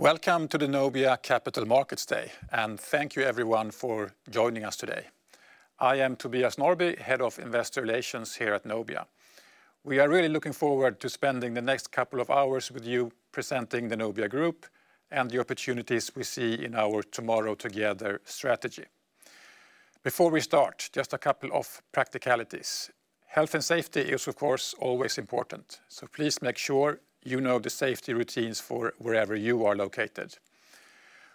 Welcome to the Nobia Capital Markets Day. Thank you everyone for joining us today. I am Tobias Norrby, Head of Investor Relations here at Nobia. We are really looking forward to spending the next couple of hours with you presenting the Nobia Group and the opportunities we see in our Tomorrow Together strategy. Before we start, just a couple of practicalities. Health and safety is, of course, always important, so please make sure you know the safety routines for wherever you are located.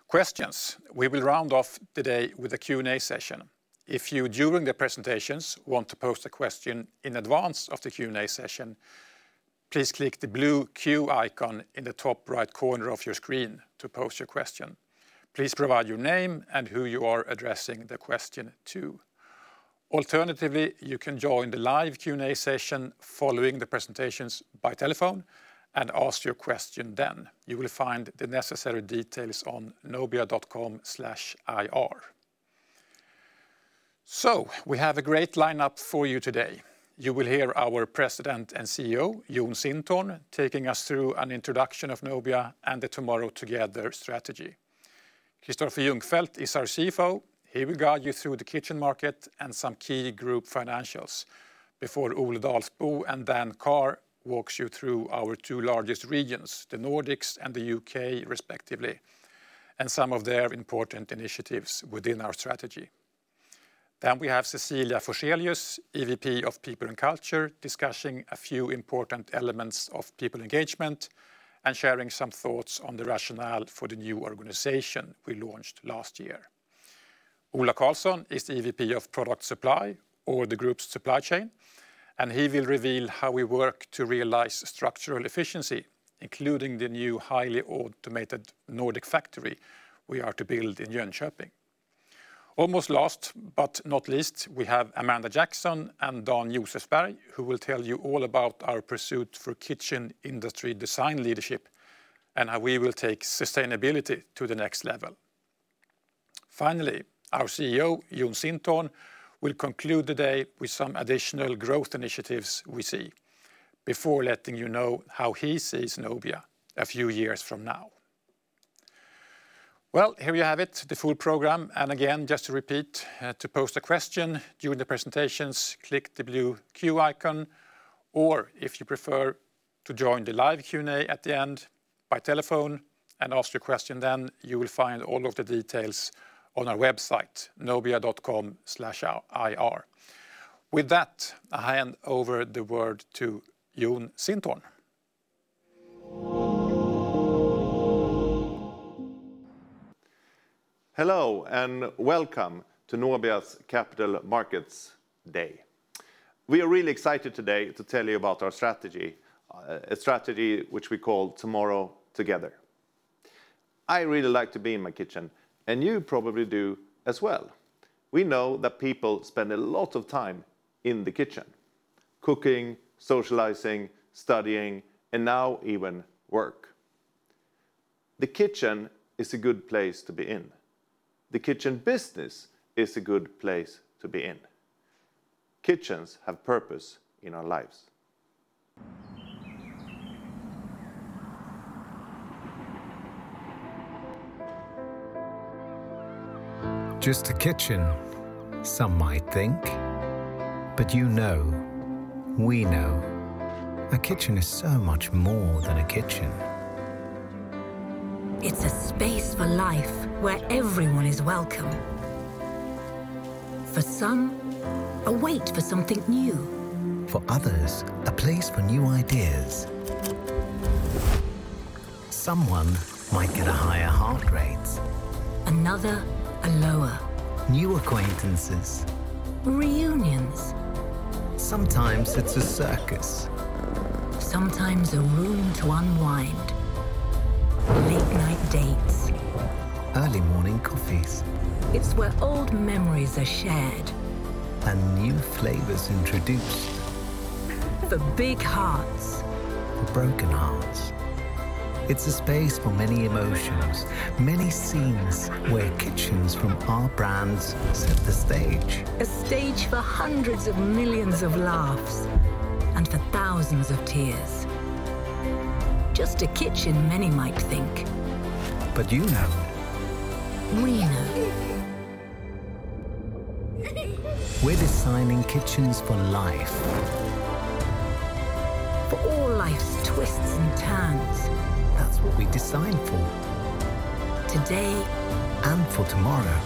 Questions, we will round off the day with a Q&A session. If you, during the presentations, want to post a question in advance of the Q&A session, please click the blue Q icon in the top right corner of your screen to post your question. Please provide your name and who you are addressing the question to. Alternatively, you can join the live Q&A session following the presentations by telephone and ask your question then. You will find the necessary details on nobia.com/ir. We have a great lineup for you today. You will hear our President and CEO, Jon Sintorn, taking us through an introduction of Nobia and the Tomorrow Together strategy. Kristoffer Ljungfelt is our CFO. He will guide you through the kitchen market and some key group financials before Ole Dalsbø and Dan Carr walks you through our two largest regions, the Nordics and the U.K. respectively, and some of their important initiatives within our strategy. We have Cecilia Forzelius, EVP of People and Culture, discussing a few important elements of people engagement and sharing some thoughts on the rationale for the new organization we launched last year. Ola Carlsson is the EVP of Product Supply or the group's supply chain, and he will reveal how we work to realize structural efficiency, including the new highly automated Nordic factory we are to build in Jönköping. Almost last but not least, we have Amanda Jackson and Dan Josefsberg, who will tell you all about our pursuit for kitchen industry design leadership and how we will take sustainability to the next level. Finally, our CEO, Jon Sintorn, will conclude the day with some additional growth initiatives we see before letting you know how he sees Nobia a few years from now. Well, here you have it, the full program. Again, just to repeat, to post a question during the presentations, click the blue Q icon, or if you prefer to join the live Q&A at the end by telephone and ask your question then, you will find all of the details on our website, nobia.com/ir. I hand over the word to Jon Sintorn. Hello, and welcome to Nobia's Capital Markets Day. We are really excited today to tell you about our strategy, a strategy which we call Tomorrow Together. I really like to be in my kitchen, and you probably do as well. We know that people spend a lot of time in the kitchen cooking, socializing, studying, and now even work. The kitchen is a good place to be in. The kitchen business is a good place to be in. Kitchens have purpose in our lives. Just a kitchen, some might think, but you know, we know a kitchen is so much more than a kitchen. It's a space for life where everyone is welcome. For some, a wait for something new. For others, a place for new ideas. Someone might get a higher heart rate. Another, a lower. New acquaintances. Reunions. Sometimes it's a circus. Sometimes a room to unwind. Late-night dates. Early morning coffees. It's where old memories are shared. New flavors introduced. For big hearts. For broken hearts. It's a space for many emotions, many scenes where kitchens from our brands set the stage. A stage for hundreds of millions of laughs and for thousands of tears. Just a kitchen, many might think. You know. We know. We're designing kitchens for life. For all life's twists and turns. That's what we design for. Today. For tomorrow.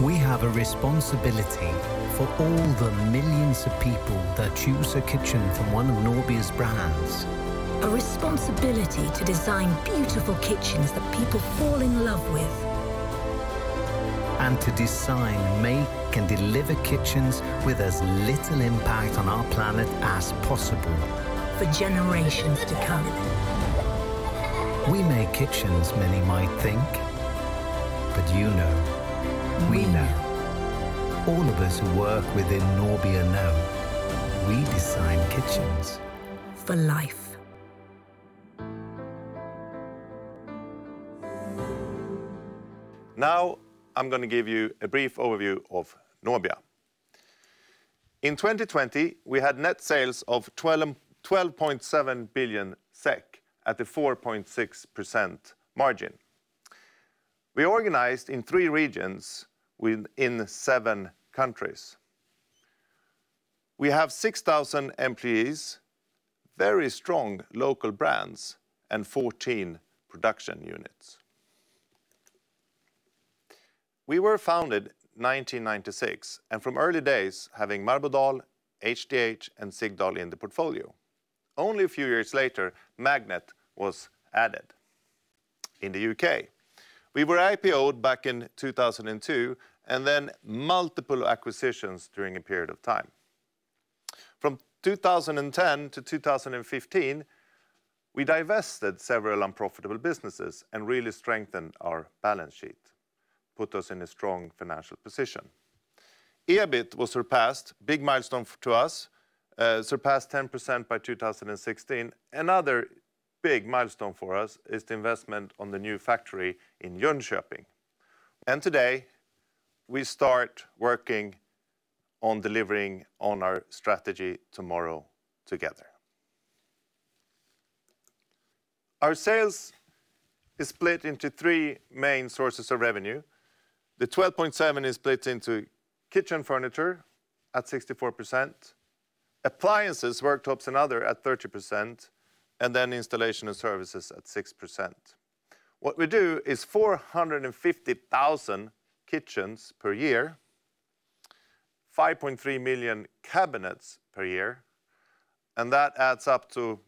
We have a responsibility for all the millions of people that choose a kitchen from one of Nobia's brands. A responsibility to design beautiful kitchens that people fall in love with. To design, make, and deliver kitchens with as little impact on our planet as possible. For generations to come. We make kitchens, many might think. you know. We know. All of us who work within Nobia know we design kitchens. For life. Now I'm going to give you a brief overview of Nobia. In 2020, we had net sales of 12.7 billion SEK at the 4.6% margin. We organized in three regions within seven countries. We have 6,000 employees, very strong local brands, and 14 production units. We were founded in 1996, and from early days having Marbodal, HTH, and Sigdal in the portfolio. Only a few years later, Magnet was added in the U.K. We were IPO'd back in 2002, and then multiple acquisitions during a period of time. From 2010 to 2015, we divested several unprofitable businesses and really strengthened our balance sheet, put us in a strong financial position. EBIT was surpassed, big milestone to us, surpassed 10% by 2016. Another big milestone for us is the investment on the new factory in Jönköping. Today, we start working on delivering on our strategy Tomorrow Together. Our sales is split into three main sources of revenue. The 12.7 is split into kitchen furniture at 64%, appliances, worktops, and other at 30%, and then installation and services at 6%. What we do is 450,000 kitchens per year, 5.3 million cabinets per year, and that adds up to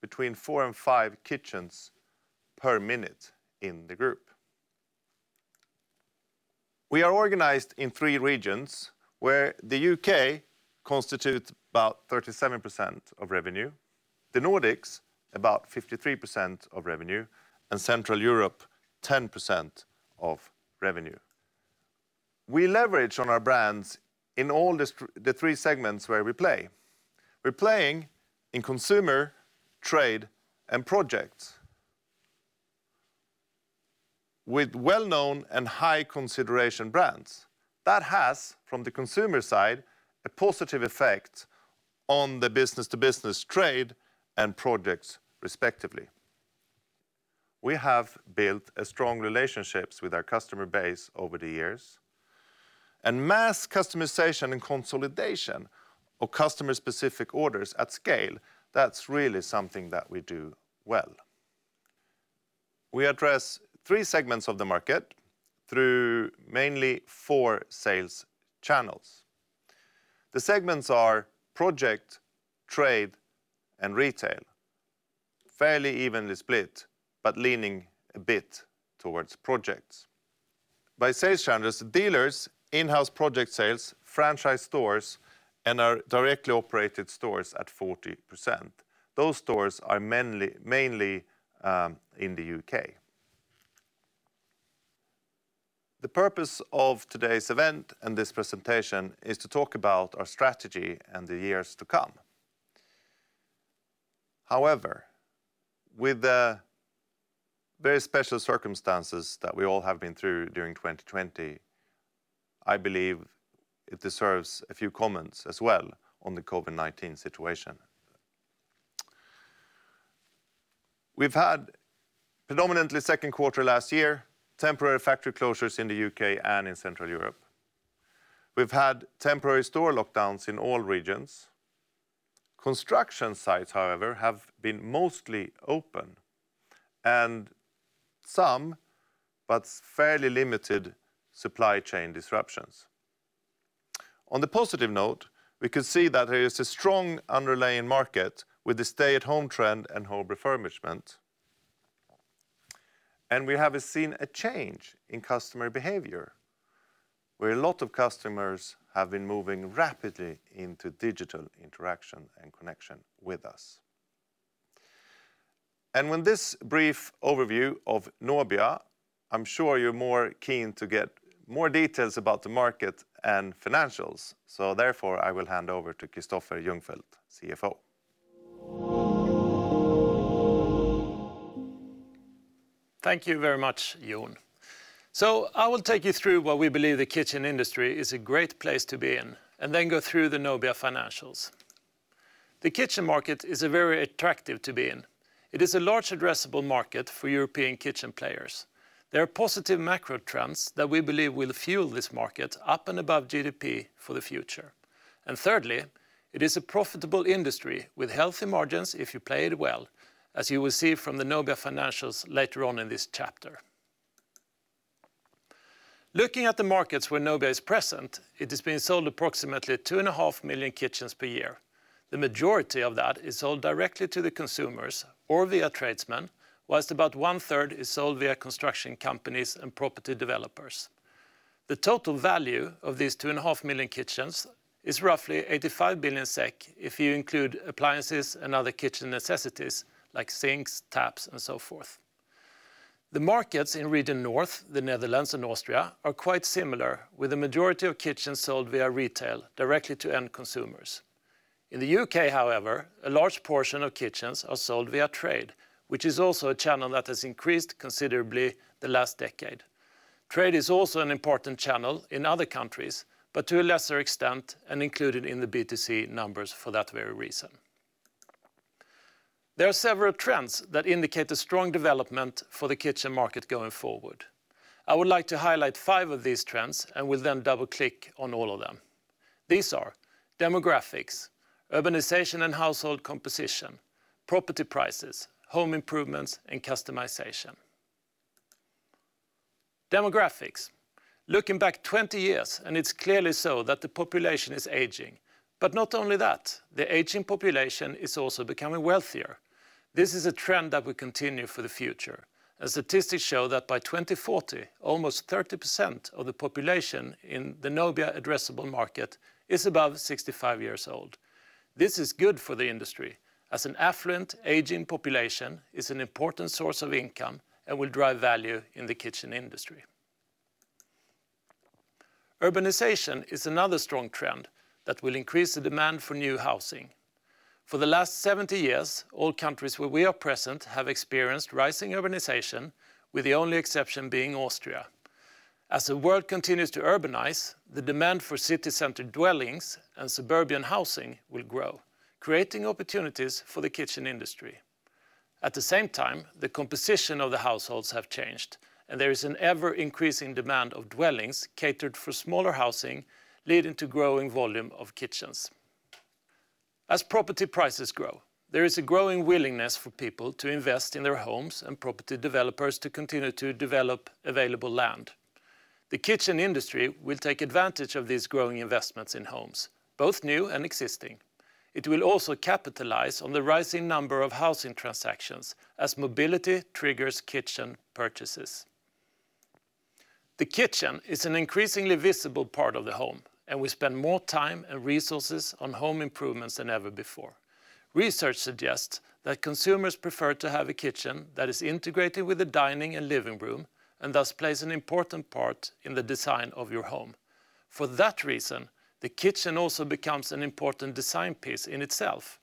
between four and five kitchens per minute in the group. We are organized in three regions where the U.K. constitutes about 37% of revenue, the Nordics about 53% of revenue, and Central Europe 10% of revenue. We leverage on our brands in all the three segments where we play. We're playing in consumer, trade, and projects with well-known and high consideration brands. That has, from the consumer side, a positive effect on the business-to-business trade and projects respectively. We have built strong relationships with our customer base over the years, and mass customization and consolidation of customer-specific orders at scale, that's really something that we do well. We address three segments of the market through mainly four sales channels. The segments are project, trade, and retail. Fairly evenly split, but leaning a bit towards projects. By sales channels, dealers, in-house project sales, franchise stores, and our directly operated stores at 40%. Those stores are mainly in the U.K. The purpose of today's event and this presentation is to talk about our strategy and the years to come. However, with the very special circumstances that we all have been through during 2020, I believe it deserves a few comments as well on the COVID-19 situation. We've had predominantly second quarter last year, temporary factory closures in the U.K. and in Central Europe. We've had temporary store lockdowns in all regions. Construction sites, however, have been mostly open and some, but fairly limited supply chain disruptions. On the positive note, we can see that there is a strong underlying market with the stay-at-home trend and home refurbishment, and we have seen a change in customer behavior where a lot of customers have been moving rapidly into digital interaction and connection with us. With this brief overview of Nobia, I'm sure you're more keen to get more details about the market and financials. I will hand over to Kristoffer Ljungfelt, CFO. Thank you very much, Jon. I will take you through why we believe the kitchen industry is a great place to be in, and then go through the Nobia financials. The kitchen market is very attractive to be in. It is a large addressable market for European kitchen players. There are positive macro trends that we believe will fuel this market up and above GDP for the future. Thirdly, it is a profitable industry with healthy margins if you play it well, as you will see from the Nobia financials later on in this chapter. Looking at the markets where Nobia is present, it has been sold approximately 2.5 million kitchens per year. The majority of that is sold directly to the consumers or via tradesmen, while about 1/3 is sold via construction companies and property developers. The total value of these 2.5 million kitchens is roughly 85 billion SEK if you include appliances and other kitchen necessities like sinks, taps, and so forth. The markets in Region Nordic, the Netherlands, and Austria are quite similar, with the majority of kitchens sold via retail directly to end consumers. In the U.K., however, a large portion of kitchens are sold via trade, which is also a channel that has increased considerably the last decade. Trade is also an important channel in other countries, but to a lesser extent and included in the B2C numbers for that very reason. There are several trends that indicate a strong development for the kitchen market going forward. I would like to highlight five of these trends and will then double click on all of them. These are demographics, urbanization and household composition, property prices, home improvements, and customization. Demographics. Looking back 20 years, and it's clearly so that the population is aging. not only that, the aging population is also becoming wealthier. This is a trend that will continue for the future, as statistics show that by 2040, almost 30% of the population in the Nobia addressable market is above 65 years old. This is good for the industry, as an affluent aging population is an important source of income and will drive value in the kitchen industry. Urbanization is another strong trend that will increase the demand for new housing. For the last 70 years, all countries where we are present have experienced rising urbanization, with the only exception being Austria. As the world continues to urbanize, the demand for city center dwellings and suburban housing will grow, creating opportunities for the kitchen industry. At the same time, the composition of the households have changed, and there is an ever-increasing demand of dwellings catered for smaller housing, leading to growing volume of kitchens. As property prices grow, there is a growing willingness for people to invest in their homes and property developers to continue to develop available land. The kitchen industry will take advantage of these growing investments in homes, both new and existing. It will also capitalize on the rising number of housing transactions as mobility triggers kitchen purchases. The kitchen is an increasingly visible part of the home, and we spend more time and resources on home improvements than ever before. Research suggests that consumers prefer to have a kitchen that is integrated with a dining and living room, and thus plays an important part in the design of your home. For that reason, the kitchen also becomes an important design piece in itself.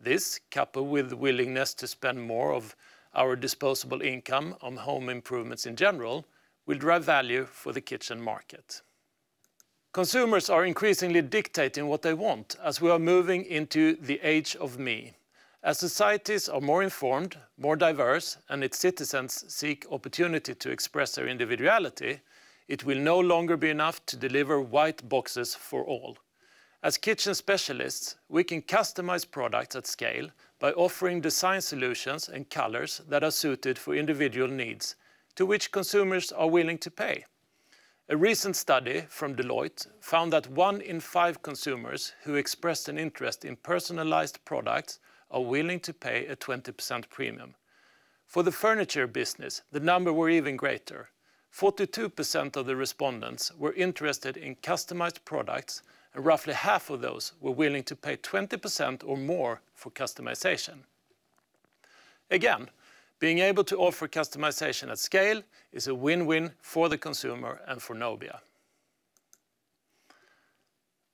This, coupled with willingness to spend more of our disposable income on home improvements in general, will drive value for the kitchen market. Consumers are increasingly dictating what they want as we are moving into the age of me. As societies are more informed, more diverse, and its citizens seek opportunity to express their individuality, it will no longer be enough to deliver white boxes for all. As kitchen specialists, we can customize products at scale by offering design solutions and colors that are suited for individual needs to which consumers are willing to pay. A recent study from Deloitte found that one in five consumers who expressed an interest in personalized products are willing to pay a 20% premium. For the furniture business, the numbers were even greater. 42% of the respondents were interested in customized products, and roughly half of those were willing to pay 20% or more for customization. Again, being able to offer customization at scale is a win-win for the consumer and for Nobia.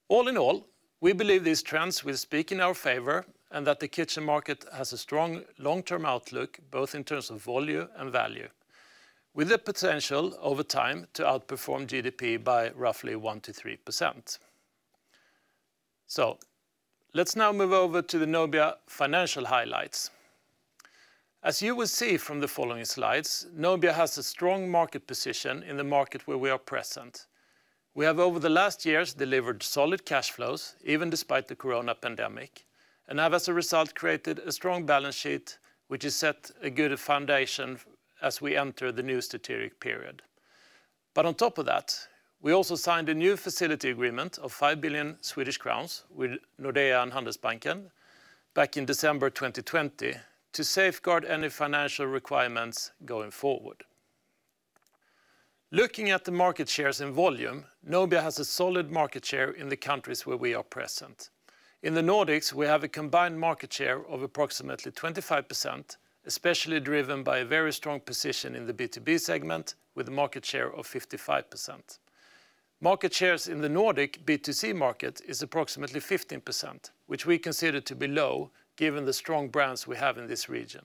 All in all, we believe these trends will speak in our favor and that the kitchen market has a strong long-term outlook, both in terms of volume and value, with the potential over time to outperform GDP by roughly 1%-3%. Let's now move over to the Nobia financial highlights. As you will see from the following slides, Nobia has a strong market position in the market where we are present. We have, over the last years, delivered solid cash flows, even despite the COVID pandemic, and have as a result created a strong balance sheet, which has set a good foundation as we enter the new strategic period. On top of that, we also signed a new facility agreement of 5 billion Swedish crowns with Nordea and Handelsbanken back in December 2020 to safeguard any financial requirements going forward. Looking at the market shares and volume, Nobia has a solid market share in the countries where we are present. In the Nordics, we have a combined market share of approximately 25%, especially driven by a very strong position in the B2B segment with a market share of 55%. Market shares in the Nordic B2C market is approximately 15%, which we consider to be low given the strong brands we have in this region.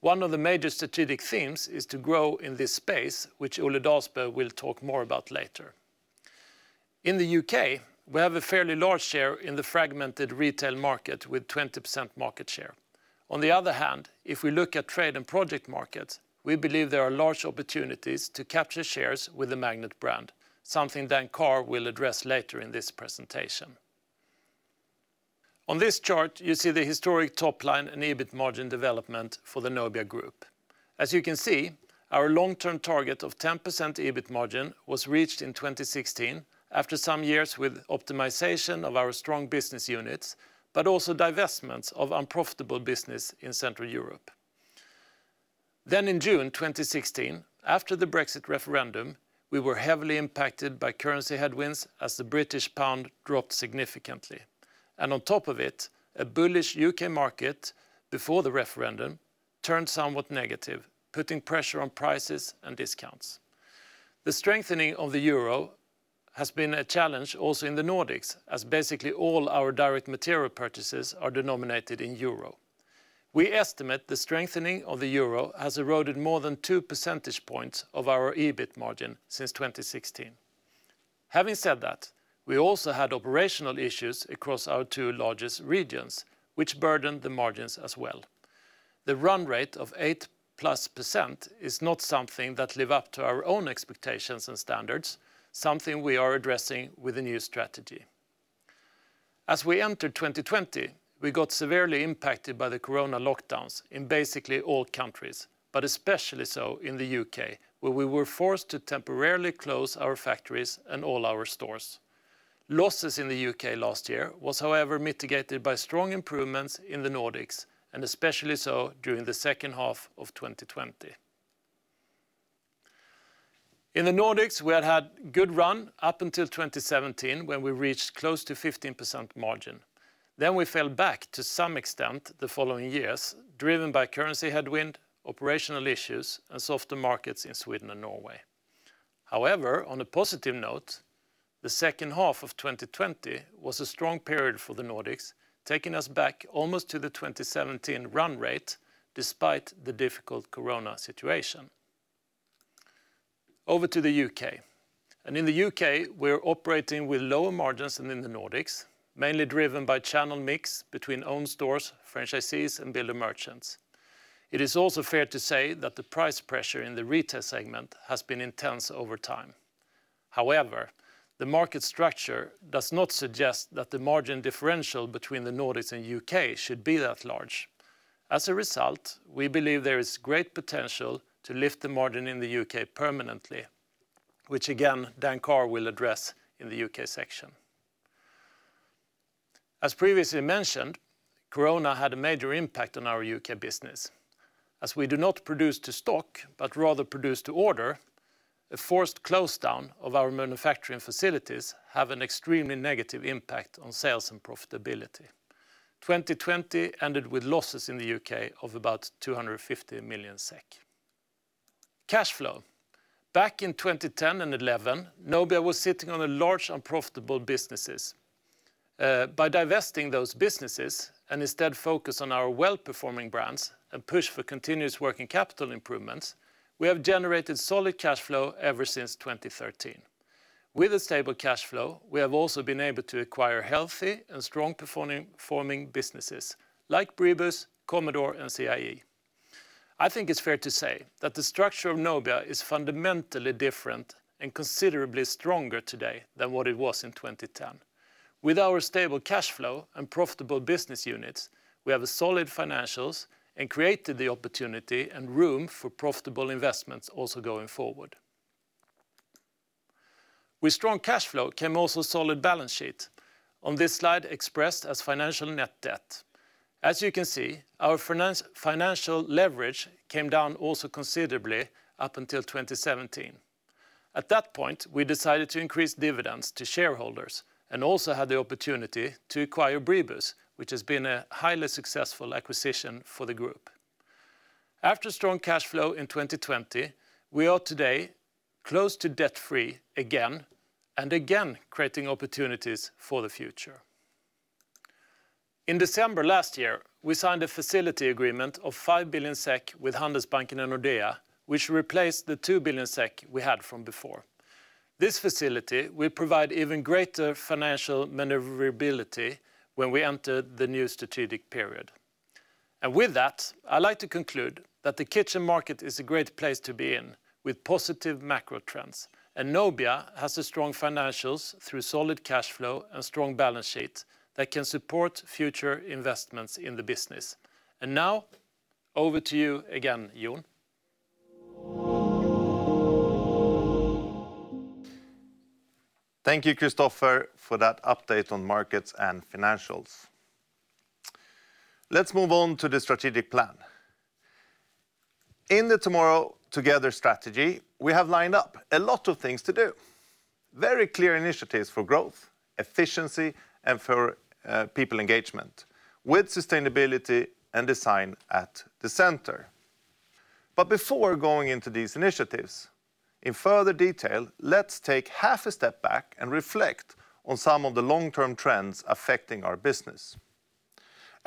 One of the major strategic themes is to grow in this space, which Ole Dalsbø will talk more about later. In the U.K., we have a fairly large share in the fragmented retail market, with 20% market share. On the other hand, if we look at trade and project markets, we believe there are large opportunities to capture shares with the Magnet brand, something Dan Carr will address later in this presentation. On this chart, you see the historic top line and EBIT margin development for the Nobia group. As you can see, our long-term target of 10% EBIT margin was reached in 2016 after some years with optimization of our strong business units, but also divestments of unprofitable business in Central Europe. In June 2016, after the Brexit referendum, we were heavily impacted by currency headwinds as the British pound dropped significantly. On top of it, a bullish U.K. market before the referendum. Turned somewhat negative, putting pressure on prices and discounts. The strengthening of the euro has been a challenge also in the Nordics, as basically all our direct material purchases are denominated in euro. We estimate the strengthening of the euro has eroded more than two percentage points of our EBIT margin since 2016. Having said that, we also had operational issues across our two largest regions, which burdened the margins as well. The run rate of eight plus percent is not something that live up to our own expectations and standards, something we are addressing with the new strategy. As we entered 2020, we got severely impacted by the corona lockdowns in basically all countries, but especially so in the U.K., where we were forced to temporarily close our factories and all our stores. Losses in the U.K. last year was, however, mitigated by strong improvements in the Nordics, and especially so during the second half of 2020. In the Nordics, we had had good run up until 2017, when we reached close to 15% margin. We fell back to some extent the following years, driven by currency headwind, operational issues, and softer markets in Sweden and Norway. However, on a positive note, the second half of 2020 was a strong period for the Nordics, taking us back almost to the 2017 run rate despite the difficult corona situation. Over to the U.K. In the U.K., we're operating with lower margins than in the Nordics, mainly driven by channel mix between own stores, franchisees, and builder merchants. It is also fair to say that the price pressure in the retail segment has been intense over time. However, the market structure does not suggest that the margin differential between the Nordics and U.K. should be that large. As a result, we believe there is great potential to lift the margin in the U.K. permanently, which again, Dan Carr will address in the U.K. section. As previously mentioned, corona had a major impact on our U.K. business. As we do not produce to stock, but rather produce to order, a forced close down of our manufacturing facilities have an extremely negative impact on sales and profitability. 2020 ended with losses in the U.K. of about 250 million SEK. Cash flow. Back in 2010 and 2011, Nobia was sitting on a large unprofitable businesses. By divesting those businesses and instead focus on our well-performing brands and push for continuous working capital improvements, we have generated solid cash flow ever since 2013. With a stable cash flow, we have also been able to acquire healthy and strong-performing businesses like Bribus, Commodore, and CIE. I think it's fair to say that the structure of Nobia is fundamentally different and considerably stronger today than what it was in 2010. With our stable cash flow and profitable business units, we have a solid financials and created the opportunity and room for profitable investments also going forward. With strong cash flow came also solid balance sheet, on this slide expressed as financial net debt. As you can see, our financial leverage came down also considerably up until 2017. At that point, we decided to increase dividends to shareholders and also had the opportunity to acquire Bribus, which has been a highly successful acquisition for the group. After strong cash flow in 2020, we are today close to debt-free again, and again creating opportunities for the future. In December last year, we signed a facility agreement of 5 billion SEK with Handelsbanken and Nordea, which replaced the 2 billion SEK we had from before. This facility will provide even greater financial maneuverability when we enter the new strategic period. With that, I'd like to conclude that the kitchen market is a great place to be in with positive macro trends. Nobia has a strong financials through solid cash flow and strong balance sheet that can support future investments in the business. Now, over to you again, Jon. Thank you, Kristoffer, for that update on markets and financials. Let's move on to the strategic plan. In the Tomorrow Together strategy, we have lined up a lot of things to do. Very clear initiatives for growth, efficiency, and for people engagement with sustainability and design at the center. Before going into these initiatives in further detail, let's take half a step back and reflect on some of the long-term trends affecting our business.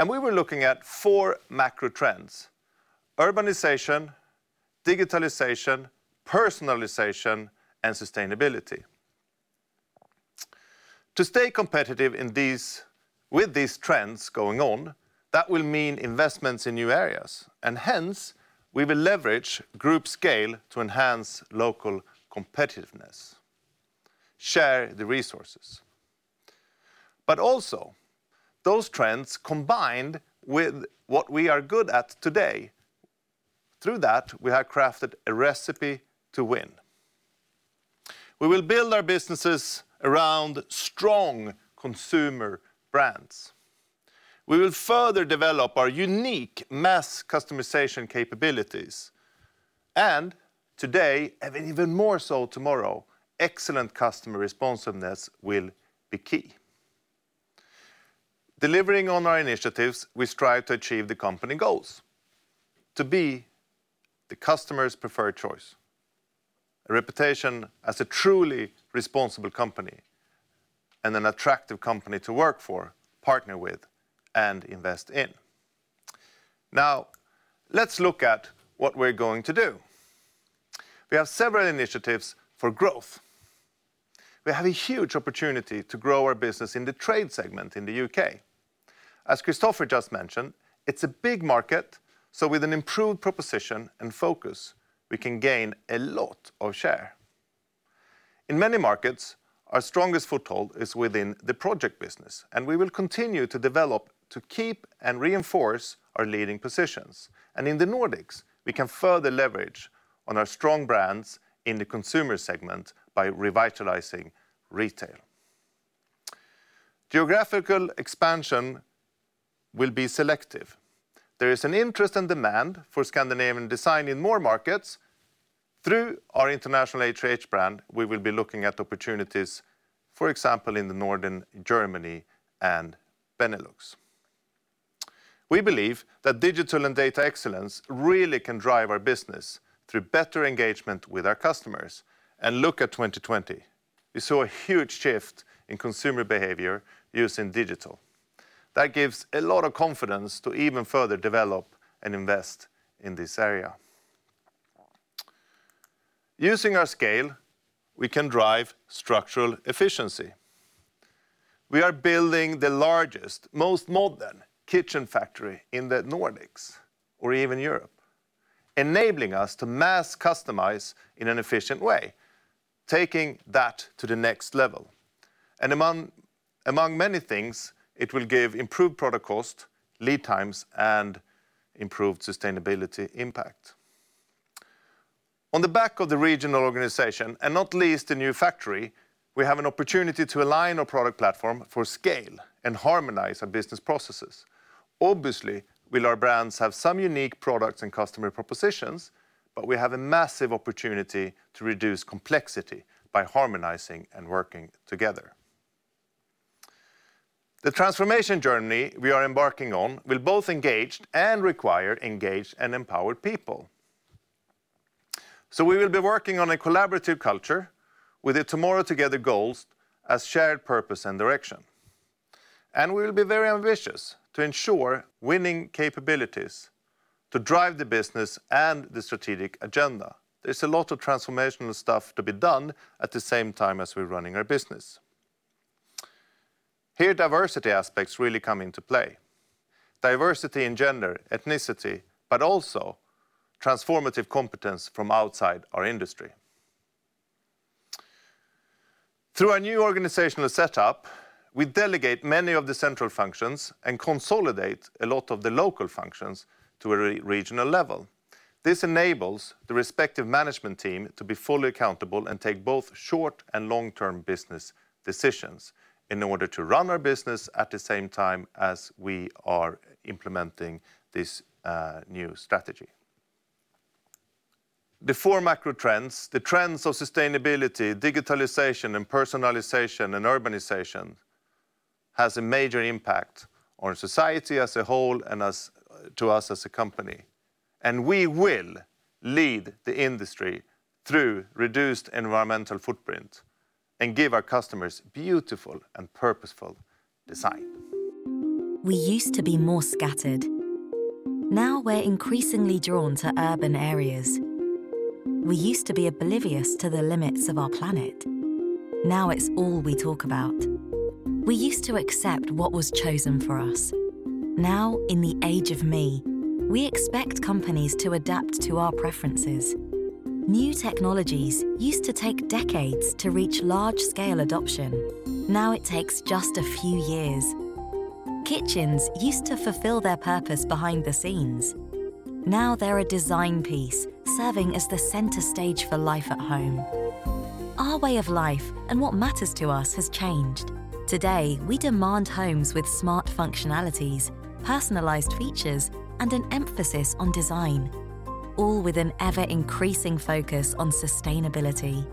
We were looking at four macro trends: urbanization, digitalization, personalization, and sustainability. To stay competitive with these trends going on, that will mean investments in new areas. Hence, we will leverage group scale to enhance local competitiveness, share the resources. Also, those trends combined with what we are good at today. Through that, we have crafted a recipe to win. We will build our businesses around strong consumer brands. We will further develop our unique mass customization capabilities. Today, and even more so tomorrow, excellent customer responsiveness will be key. Delivering on our initiatives, we strive to achieve the company goals. To be the customer's preferred choice, a reputation as a truly responsible company, and an attractive company to work for, partner with, and invest in. Now, let's look at what we're going to do. We have several initiatives for growth. We have a huge opportunity to grow our business in the trade segment in the U.K. As Kristoffer just mentioned, it's a big market, so with an improved proposition and focus, we can gain a lot of share. In many markets, our strongest foothold is within the project business, and we will continue to develop to keep and reinforce our leading positions. In the Nordics, we can further leverage on our strong brands in the consumer segment by revitalizing retail. Geographical expansion will be selective. There is an interest and demand for Scandinavian design in more markets. Through our international HTH brand, we will be looking at opportunities, for example, in the Northern Germany and Benelux. We believe that digital and data excellence really can drive our business through better engagement with our customers. Look at 2020. We saw a huge shift in consumer behavior using digital. That gives a lot of confidence to even further develop and invest in this area. Using our scale, we can drive structural efficiency. We are building the largest, most modern kitchen factory in the Nordics, or even Europe, enabling us to mass customize in an efficient way, taking that to the next level. Among many things, it will give improved product cost, lead times, and improved sustainability impact. On the back of the regional organization, and not least the new factory, we have an opportunity to align our product platform for scale and harmonize our business processes. Obviously, will our brands have some unique products and customer propositions, but we have a massive opportunity to reduce complexity by harmonizing and working together. The transformation journey we are embarking on will both engage and require engaged and empowered people. We will be working on a collaborative culture with the Tomorrow Together goals as shared purpose and direction. We will be very ambitious to ensure winning capabilities to drive the business and the strategic agenda. There's a lot of transformational stuff to be done at the same time as we're running our business. Here, diversity aspects really come into play. Diversity in gender, ethnicity, but also transformative competence from outside our industry. Through our new organizational setup, we delegate many of the central functions and consolidate a lot of the local functions to a regional level. This enables the respective management team to be fully accountable and take both short and long-term business decisions in order to run our business at the same time as we are implementing this new strategy. The four macro trends, the trends of sustainability, digitalization, and personalization, and urbanization, has a major impact on society as a whole and to us as a company. We will lead the industry through reduced environmental footprint and give our customers beautiful and purposeful design. We used to be more scattered. Now we're increasingly drawn to urban areas. We used to be oblivious to the limits of our planet. Now it's all we talk about. We used to accept what was chosen for us. Now, in the age of me, we expect companies to adapt to our preferences. New technologies used to take decades to reach large-scale adoption. Now it takes just a few years. Kitchens used to fulfill their purpose behind the scenes. Now they're a design piece, serving as the center stage for life at home. Our way of life and what matters to us has changed. Today, we demand homes with smart functionalities, personalized features, and an emphasis on design, all with an ever-increasing focus on sustainability.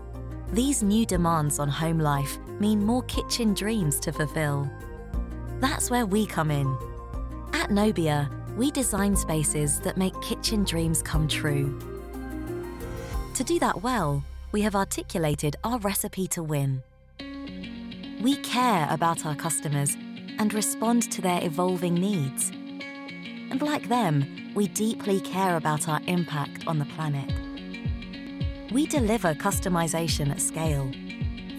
These new demands on home life mean more kitchen dreams to fulfill. That's where we come in. At Nobia, we design spaces that make kitchen dreams come true. To do that well, we have articulated our recipe to win. We care about our customers and respond to their evolving needs. Like them, we deeply care about our impact on the planet. We deliver customization at scale,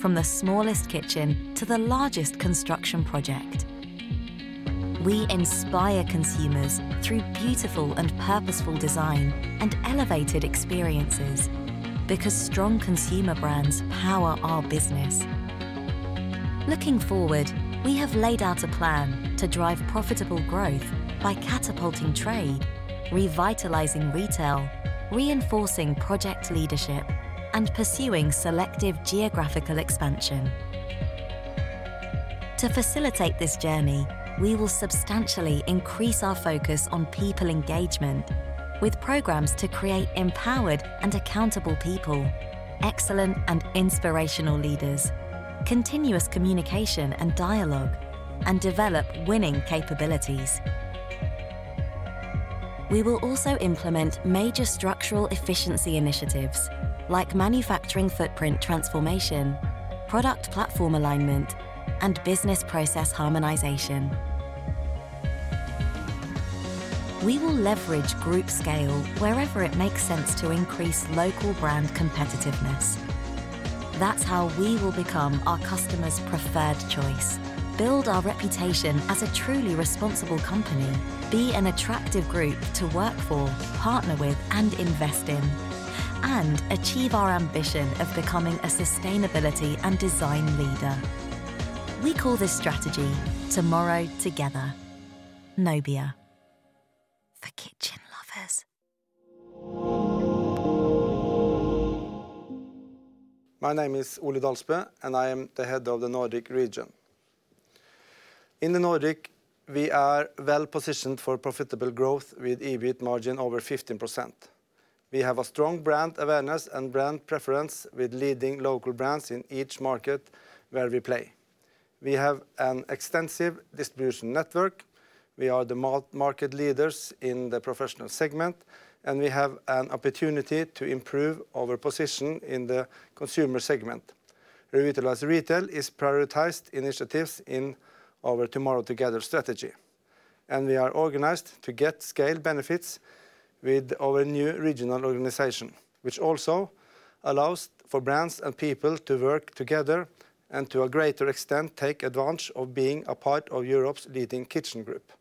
from the smallest kitchen to the largest construction project. We inspire consumers through beautiful and purposeful design and elevated experiences because strong consumer brands power our business. Looking forward, we have laid out a plan to drive profitable growth by catapulting trade, revitalizing retail, reinforcing project leadership, and pursuing selective geographical expansion. To facilitate this journey, we will substantially increase our focus on people engagement with programs to create empowered and accountable people, excellent and inspirational leaders, continuous communication and dialogue, and develop winning capabilities. We will also implement major structural efficiency initiatives like manufacturing footprint transformation, product platform alignment, and business process harmonization. We will leverage group scale wherever it makes sense to increase local brand competitiveness. That's how we will become our customers' preferred choice, build our reputation as a truly responsible company, be an attractive group to work for, partner with, and invest in, and achieve our ambition of becoming a sustainability and design leader. We call this strategy Tomorrow Together. Nobia, for kitchen lovers. My name is Ole Dalsbø, and I am the Head of the Nordic region. In the Nordic, we are well-positioned for profitable growth with EBIT margin over 15%. We have a strong brand awareness and brand preference with leading local brands in each market where we play. We have an extensive distribution network. We are the market leaders in the professional segment, and we have an opportunity to improve our position in the consumer segment. Revitalize retail is prioritized initiatives in our Tomorrow Together strategy. We are organized to get scale benefits with our new regional organization, which also allows for brands and people to work together, and to a greater extent, take advantage of being a part of Europe's leading kitchen group.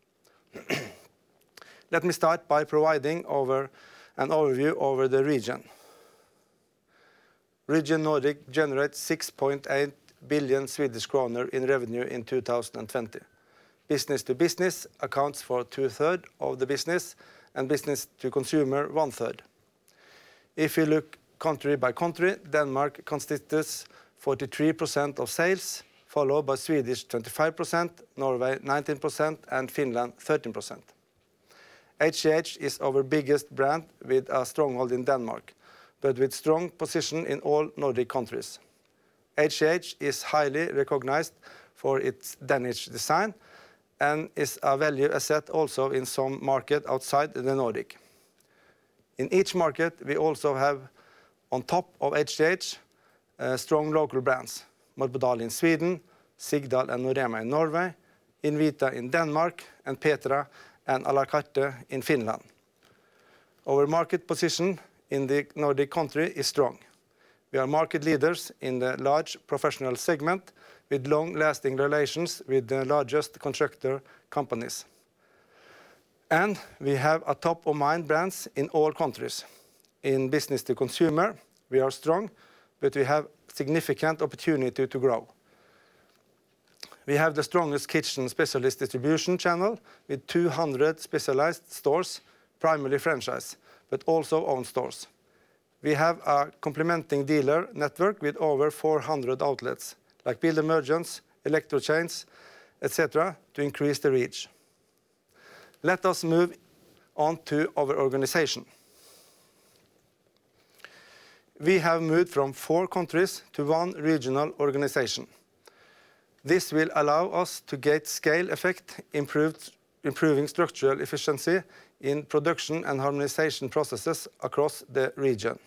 Let me start by providing an overview over the region. Region Nordic generates 6.8 billion Swedish kronor in revenue in 2020. Business to business accounts for 2/3 of the business and business to consumer, 1/3. If you look country by country, Denmark constitutes 43% of sales, followed by Sweden 25%, Norway 19%, and Finland 13%. HTH is our biggest brand with a stronghold in Denmark, but with strong position in all Nordic countries. HTH is highly recognized for its Danish design and is a value asset also in some market outside the Nordic. In each market, we also have on top of HTH, strong local brands, Marbodal in Sweden, Sigdal and Norema in Norway, Invita in Denmark, and Petra and A la Carte in Finland. Our market position in the Nordic country is strong. We are market leaders in the large professional segment with long-lasting relations with the largest contractor companies. We have a top of mind brands in all countries. In business to consumer, we are strong, but we have significant opportunity to grow. We have the strongest kitchen specialist distribution channel with 200 specialized stores, primarily franchise, but also own stores. We have a complementing dealer network with over 400 outlets, like builder merchants, electro chains, et cetera, to increase the reach. Let us move on to our organization. We have moved from four countries to one regional organization. This will allow us to get scale effect, improving structural efficiency in production and harmonization processes across the region.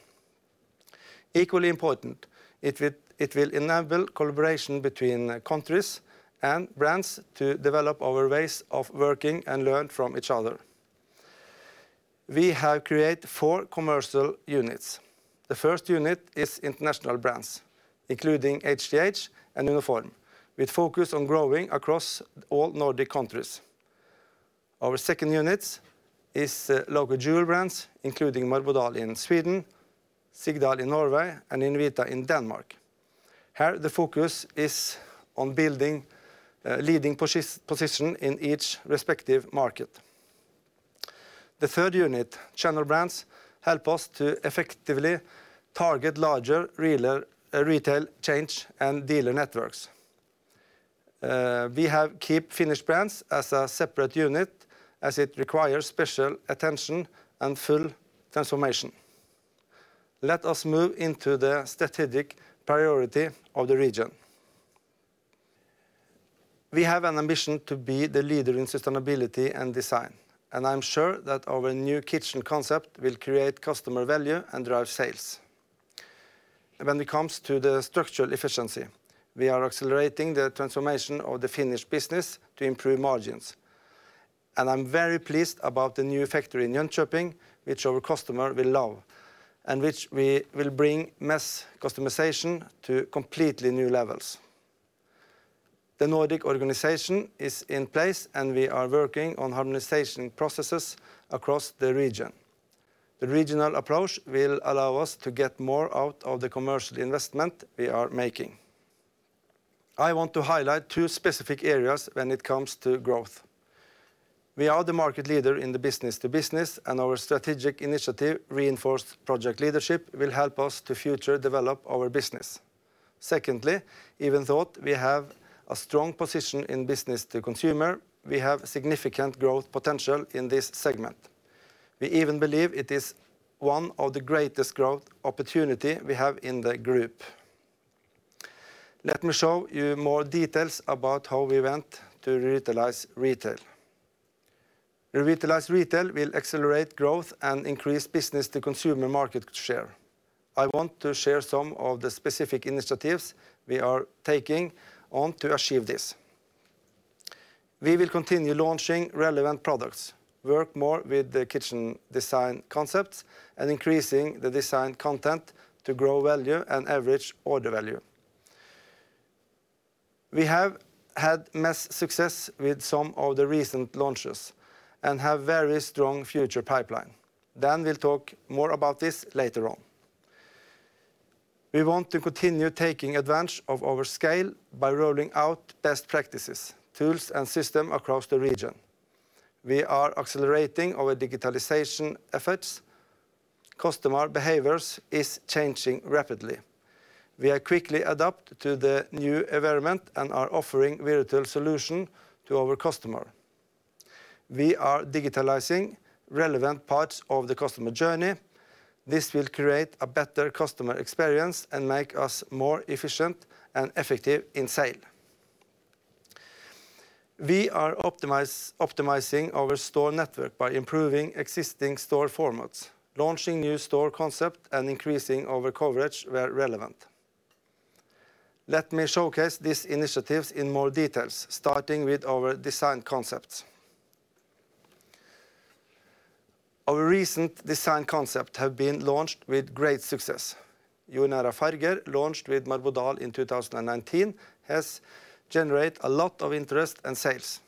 Equally important, it will enable collaboration between countries and brands to develop our ways of working and learn from each other. We have created four commercial units. The first unit is international brands, including HTH and uno form, with focus on growing across all Nordic countries. Our second unit is local jewel brands, including Marbodal in Sweden, Sigdal in Norway, and Invita in Denmark. Here, the focus is on building a leading position in each respective market. The third unit, channel brands, help us to effectively target larger retail chains and dealer networks. We have kept Finnish brands as a separate unit as it requires special attention and full transformation. Let us move into the strategic priority of the region. We have an ambition to be the leader in sustainability and design, and I'm sure that our new kitchen concept will create customer value and drive sales. When it comes to the structural efficiency, we are accelerating the transformation of the Finnish business to improve margins, and I'm very pleased about the new factory in Jönköping, which our customer will love, and which we will bring mass customization to completely new levels. The Nordic organization is in place, and we are working on harmonization processes across the region. The regional approach will allow us to get more out of the commercial investment we are making. I want to highlight two specific areas when it comes to growth. We are the market leader in the business to business, and our strategic initiative reinforced project leadership will help us to further develop our business. Secondly, even though we have a strong position in business to consumer, we have significant growth potential in this segment. We even believe it is one of the greatest growth opportunity we have in the group. Let me show you more details about how we want to revitalize retail. Revitalize retail will accelerate growth and increase business to consumer market share. I want to share some of the specific initiatives we are taking on to achieve this. We will continue launching relevant products, work more with the kitchen design concepts, and increasing the design content to grow value and average order value. We have had mass success with some of the recent launches and have very strong future pipeline. Dan will talk more about this later on. We want to continue taking advantage of our scale by rolling out best practices, tools, and system across the region. We are accelerating our digitalization efforts. Customer behaviors is changing rapidly. We are quickly adapt to the new environment and are offering virtual solution to our customer. We are digitalizing relevant parts of the customer journey. This will create a better customer experience and make us more efficient and effective in sale. We are optimizing our store network by improving existing store formats, launching new store concept, and increasing our coverage where relevant. Let me showcase these initiatives in more details, starting with our design concepts. Our recent design concept have been launched with great success. Jordnära färger, launched with Marbodal in 2019, has generate a lot of interest and sales.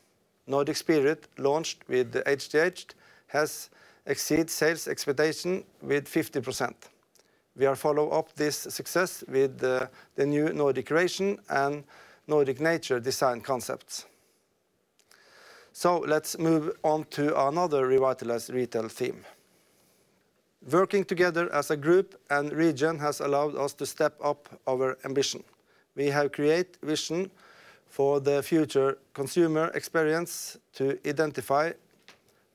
Nordic Spirit, launched with the HTH, has exceed sales expectation with 50%. We are follow up this success with the new Nordic Creation and Nordic Nature design concepts. Let's move on to another revitalize retail theme. Working together as a group and region has allowed us to step up our ambition. We have create vision for the future consumer experience to identify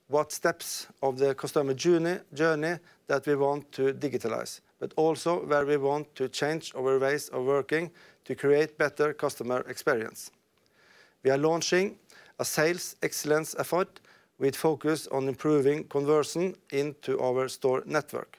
what steps of the customer journey that we want to digitalize, but also where we want to change our ways of working to create better customer experience. We are launching a sales excellence effort with focus on improving conversion into our store network.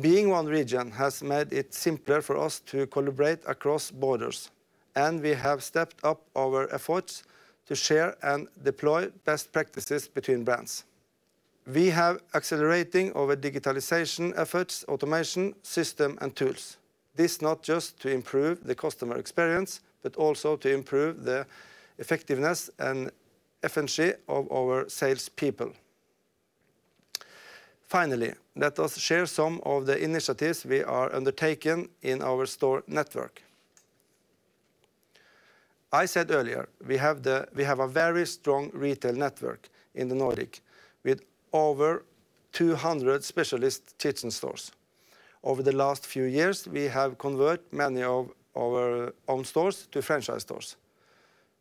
Being one region has made it simpler for us to collaborate across borders, and we have stepped up our efforts to share and deploy best practices between brands. We have accelerated our digitalization efforts, automation, systems, and tools. This is not just to improve the customer experience, but also to improve the effectiveness and efficiency of our salespeople. Finally, let us share some of the initiatives we are undertaking in our store network. I said earlier, we have a very strong retail network in the Nordic, with over 200 specialist kitchen stores. Over the last few years, we have converted many of our own stores to franchise stores.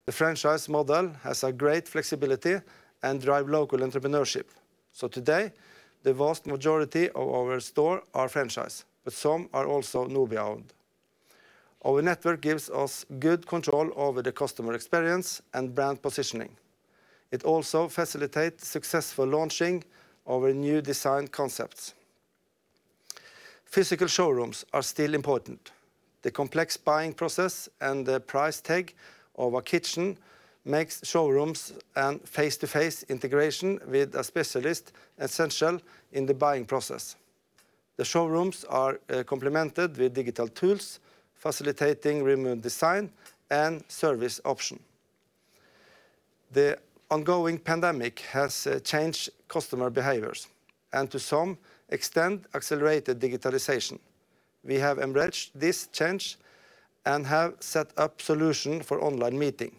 The franchise model has great flexibility and drives local entrepreneurship. Today, the vast majority of our stores are franchise, but some are also Nobia-owned. Our network gives us good control over the customer experience and brand positioning. It also facilitates successful launching of our new design concepts. Physical showrooms are still important. The complex buying process and the price tag of a kitchen makes showrooms and face-to-face integration with a specialist essential in the buying process. The showrooms are complemented with digital tools, facilitating remote design and service option. The ongoing pandemic has changed customer behaviors, and to some extent accelerated digitalization. We have embraced this change and have set up solution for online meeting.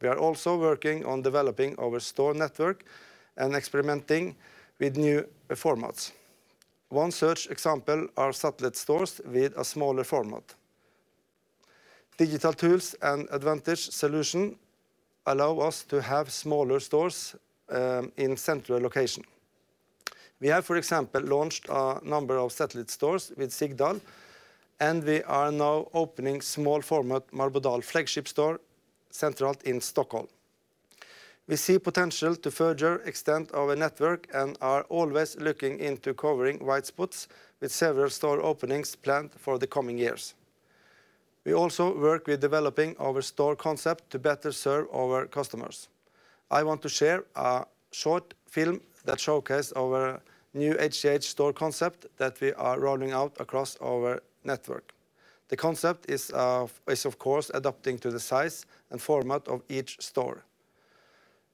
We are also working on developing our store network and experimenting with new formats. One such example are satellite stores with a smaller format. Digital tools and advanced solution allow us to have smaller stores in central location. We have, for example, launched a number of satellite stores with Sigdal, and we are now opening small format Marbodal flagship store centrally in Stockholm. We see potential to further extend our network and are always looking into covering white spots with several store openings planned for the coming years. We also work with developing our store concept to better serve our customers. I want to share a short film that showcase our new HTH store concept that we are rolling out across our network. The concept is, of course, adapting to the size and format of each store.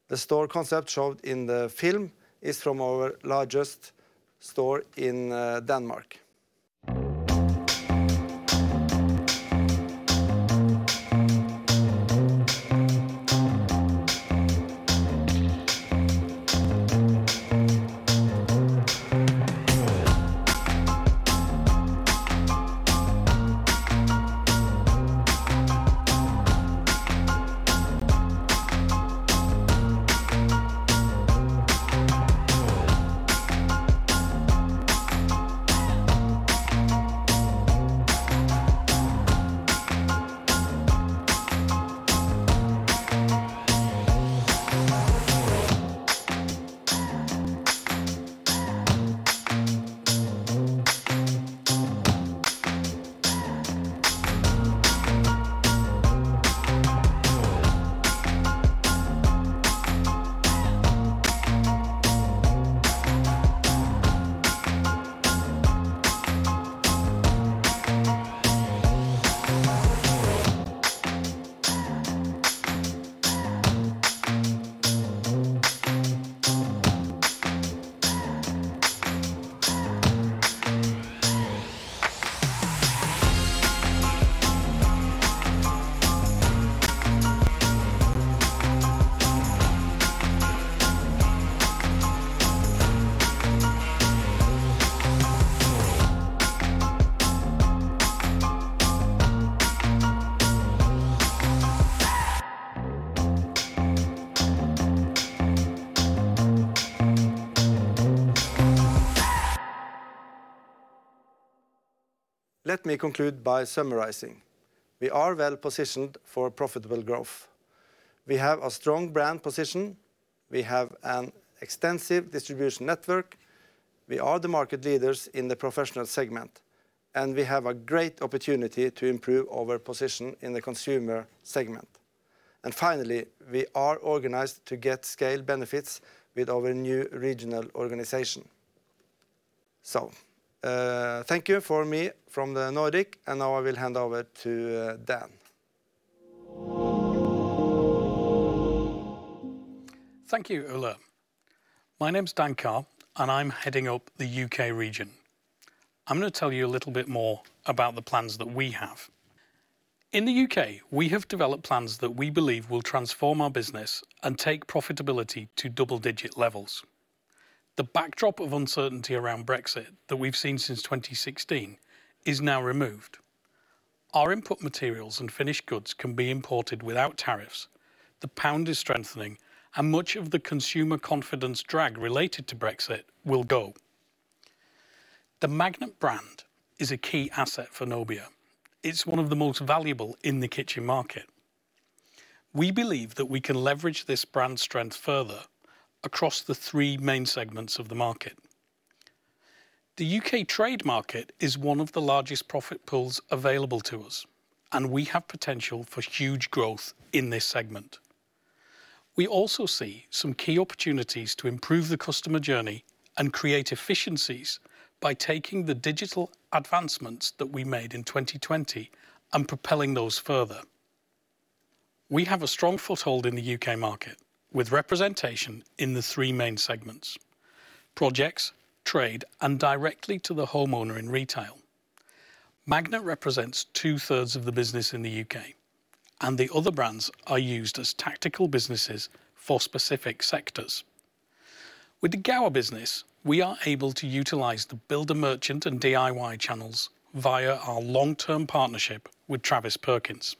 The store concept showed in the film is from our largest store in Denmark. Let me conclude by summarizing. We are well-positioned for profitable growth. We have a strong brand position, we have an extensive distribution network, we are the market leaders in the professional segment, and we have a great opportunity to improve our position in the consumer segment. Finally, we are organized to get scale benefits with our new regional organization. Thank you from me, from the Nordic, and now I will hand over to Dan. Thank you, Ole. My name's Dan Carr, and I'm heading up the U.K. region. I'm going to tell you a little bit more about the plans that we have. In the U.K., we have developed plans that we believe will transform our business and take profitability to double-digit levels. The backdrop of uncertainty around Brexit that we've seen since 2016 is now removed. Our input materials and finished goods can be imported without tariffs, the pound is strengthening, and much of the consumer confidence drag related to Brexit will go. The Magnet brand is a key asset for Nobia. It's one of the most valuable in the kitchen market. We believe that we can leverage this brand strength further across the three main segments of the market. The U.K. trade market is one of the largest profit pools available to us, and we have potential for huge growth in this segment. We also see some key opportunities to improve the customer journey and create efficiencies by taking the digital advancements that we made in 2020 and propelling those further. We have a strong foothold in the U.K. market, with representation in the three main segments, projects, trade, and directly to the homeowner in retail. Magnet represents two-thirds of the business in the U.K., and the other brands are used as tactical businesses for specific sectors. With the Gower business, we are able to utilize the builder merchant and DIY channels via our long-term partnership with Travis Perkins.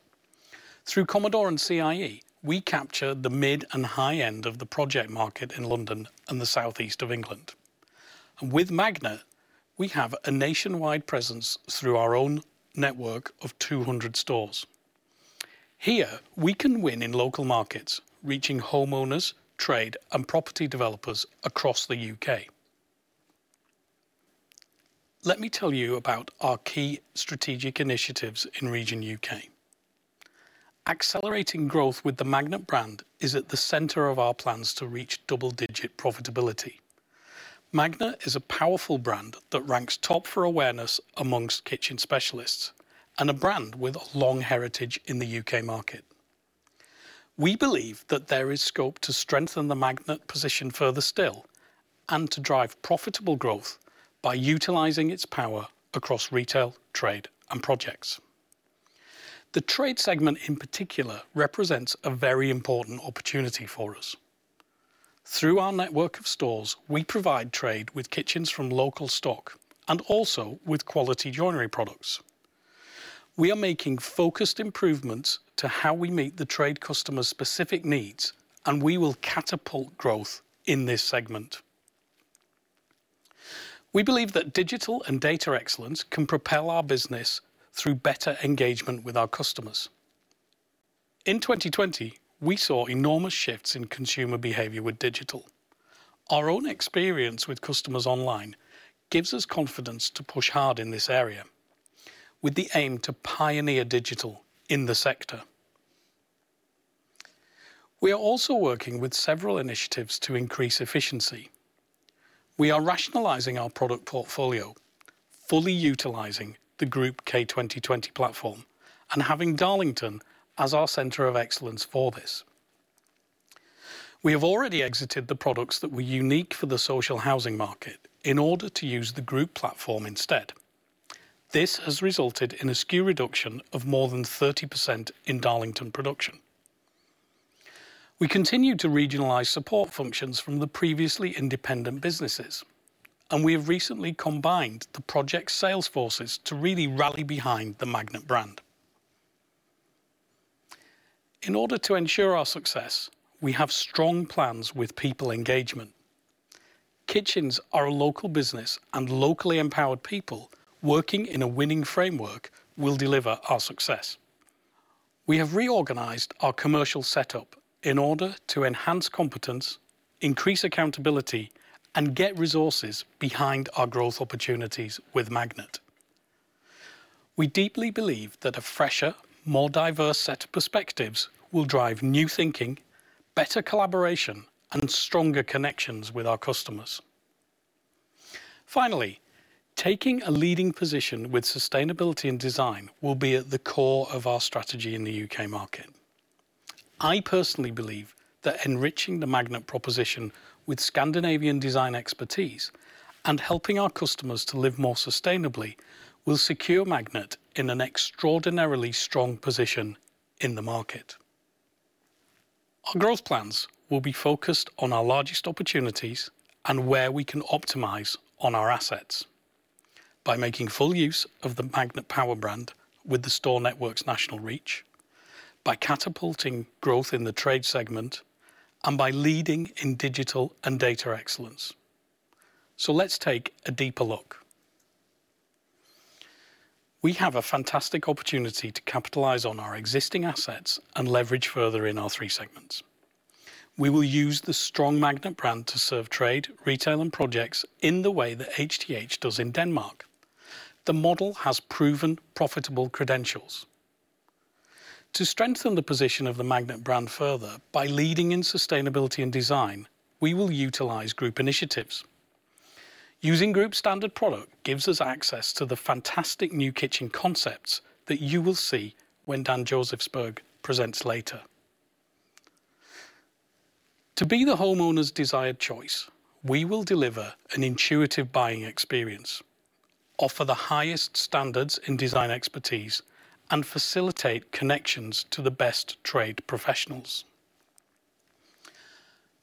Through Commodore and CIE, we capture the mid and high end of the project market in London and the southeast of England. With Magnet, we have a nationwide presence through our own network of 200 stores. Here, we can win in local markets, reaching homeowners, trade, and property developers across the U.K. Let me tell you about our key strategic initiatives in Region U.K. Accelerating growth with the Magnet brand is at the center of our plans to reach double-digit profitability. Magnet is a powerful brand that ranks top for awareness among kitchen specialists, and a brand with a long heritage in the U.K. market. We believe that there is scope to strengthen the Magnet position further still, and to drive profitable growth by utilizing its power across retail, trade, and projects. The trade segment in particular represents a very important opportunity for us. Through our network of stores, we provide trade with kitchens from local stock, and also with quality joinery products. We are making focused improvements to how we meet the trade customer's specific needs, and we will catapult growth in this segment. We believe that digital and data excellence can propel our business through better engagement with our customers. In 2020, we saw enormous shifts in consumer behavior with digital. Our own experience with customers online gives us confidence to push hard in this area, with the aim to pioneer digital in the sector. We are also working with several initiatives to increase efficiency. We are rationalizing our product portfolio, fully utilizing the group K 2020 platform, and having Darlington as our center of excellence for this. We have already exited the products that were unique for the social housing market in order to use the group platform instead. This has resulted in a SKU reduction of more than 30% in Darlington production. We continue to regionalize support functions from the previously independent businesses, and we have recently combined the project sales forces to really rally behind the Magnet brand. In order to ensure our success, we have strong plans with people engagement. Kitchens are a local business, and locally empowered people working in a winning framework will deliver our success. We have re-organized our commercial setup in order to enhance competence, increase accountability, and get resources behind our growth opportunities with Magnet. We deeply believe that a fresher, more diverse set of perspectives will drive new thinking, better collaboration, and stronger connections with our customers. Finally, taking a leading position with sustainability and design will be at the core of our strategy in the U.K. market. I personally believe that enriching the Magnet proposition with Scandinavian design expertise and helping our customers to live more sustainably will secure Magnet in an extraordinarily strong position in the market. Our growth plans will be focused on our largest opportunities and where we can optimize on our assets by making full use of the Magnet power brand with the store network's national reach, by catapulting growth in the trade segment, and by leading in digital and data excellence. Let's take a deeper look. We have a fantastic opportunity to capitalize on our existing assets and leverage further in our three segments. We will use the strong Magnet brand to serve trade, retail, and projects in the way that HTH does in Denmark. The model has proven profitable credentials. To strengthen the position of the Magnet brand further by leading in sustainability and design, we will utilize group initiatives. Using group standard product gives us access to the fantastic new kitchen concepts that you will see when Dan Josefsberg presents later. To be the homeowner's desired choice, we will deliver an intuitive buying experience, offer the highest standards in design expertise, and facilitate connections to the best trade professionals.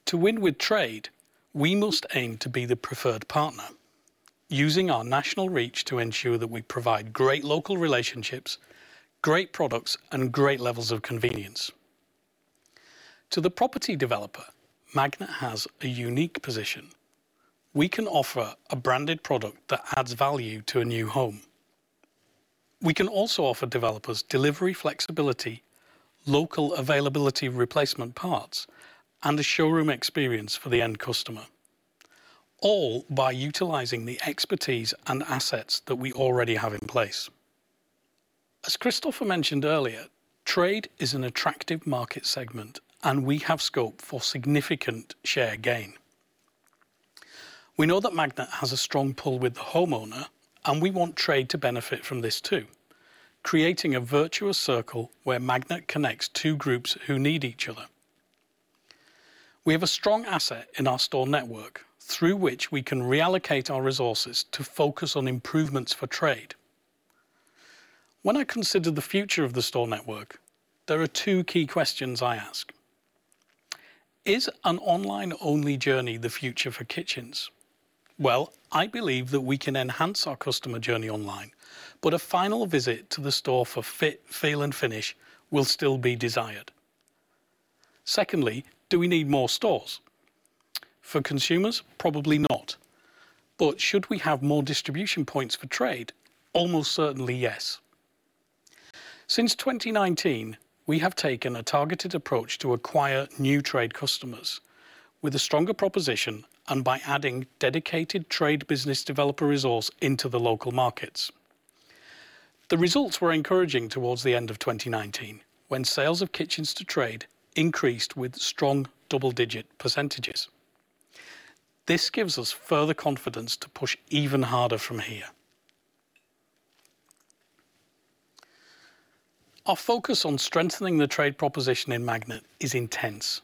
To win with trade, we must aim to be the preferred partner, using our national reach to ensure that we provide great local relationships, great products, and great levels of convenience. To the property developer, Magnet has a unique position. We can offer a branded product that adds value to a new home. We can also offer developers delivery flexibility, local availability of replacement parts, and a showroom experience for the end customer, all by utilizing the expertise and assets that we already have in place. As Kristoffer mentioned earlier, trade is an attractive market segment, and we have scope for significant share gain. We know that Magnet has a strong pull with the homeowner, and we want trade to benefit from this too, creating a virtuous circle where Magnet connects two groups who need each other. We have a strong asset in our store network through which we can reallocate our resources to focus on improvements for trade. When I consider the future of the store network, there are two key questions I ask. Is an online-only journey the future for kitchens? Well, I believe that we can enhance our customer journey online, but a final visit to the store for fit, feel, and finish will still be desired. Secondly, do we need more stores? For consumers, probably not. Should we have more distribution points for trade? Almost certainly yes. Since 2019, we have taken a targeted approach to acquire new trade customers with a stronger proposition and by adding dedicated trade business developer resource into the local markets. The results were encouraging towards the end of 2019, when sales of kitchens to trade increased with strong double-digit percentage. This gives us further confidence to push even harder from here. Our focus on strengthening the trade proposition in Magnet is intense.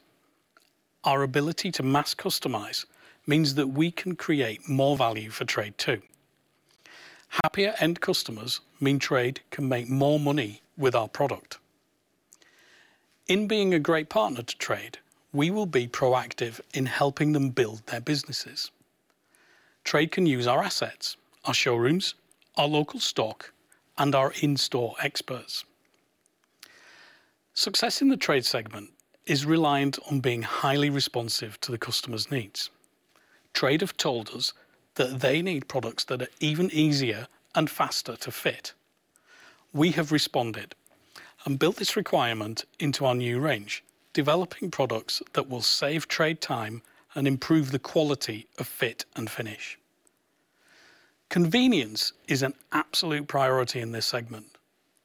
Our ability to mass customize means that we can create more value for trade, too. Happier end customers mean trade can make more money with our product. In being a great partner to trade, we will be proactive in helping them build their businesses. Trade can use our assets, our showrooms, our local stock, and our in-store experts. Success in the trade segment is reliant on being highly responsive to the customer's needs. Trade have told us that they need products that are even easier and faster to fit. We have responded and built this requirement into our new range, developing products that will save trade time and improve the quality of fit and finish. Convenience is an absolute priority in this segment.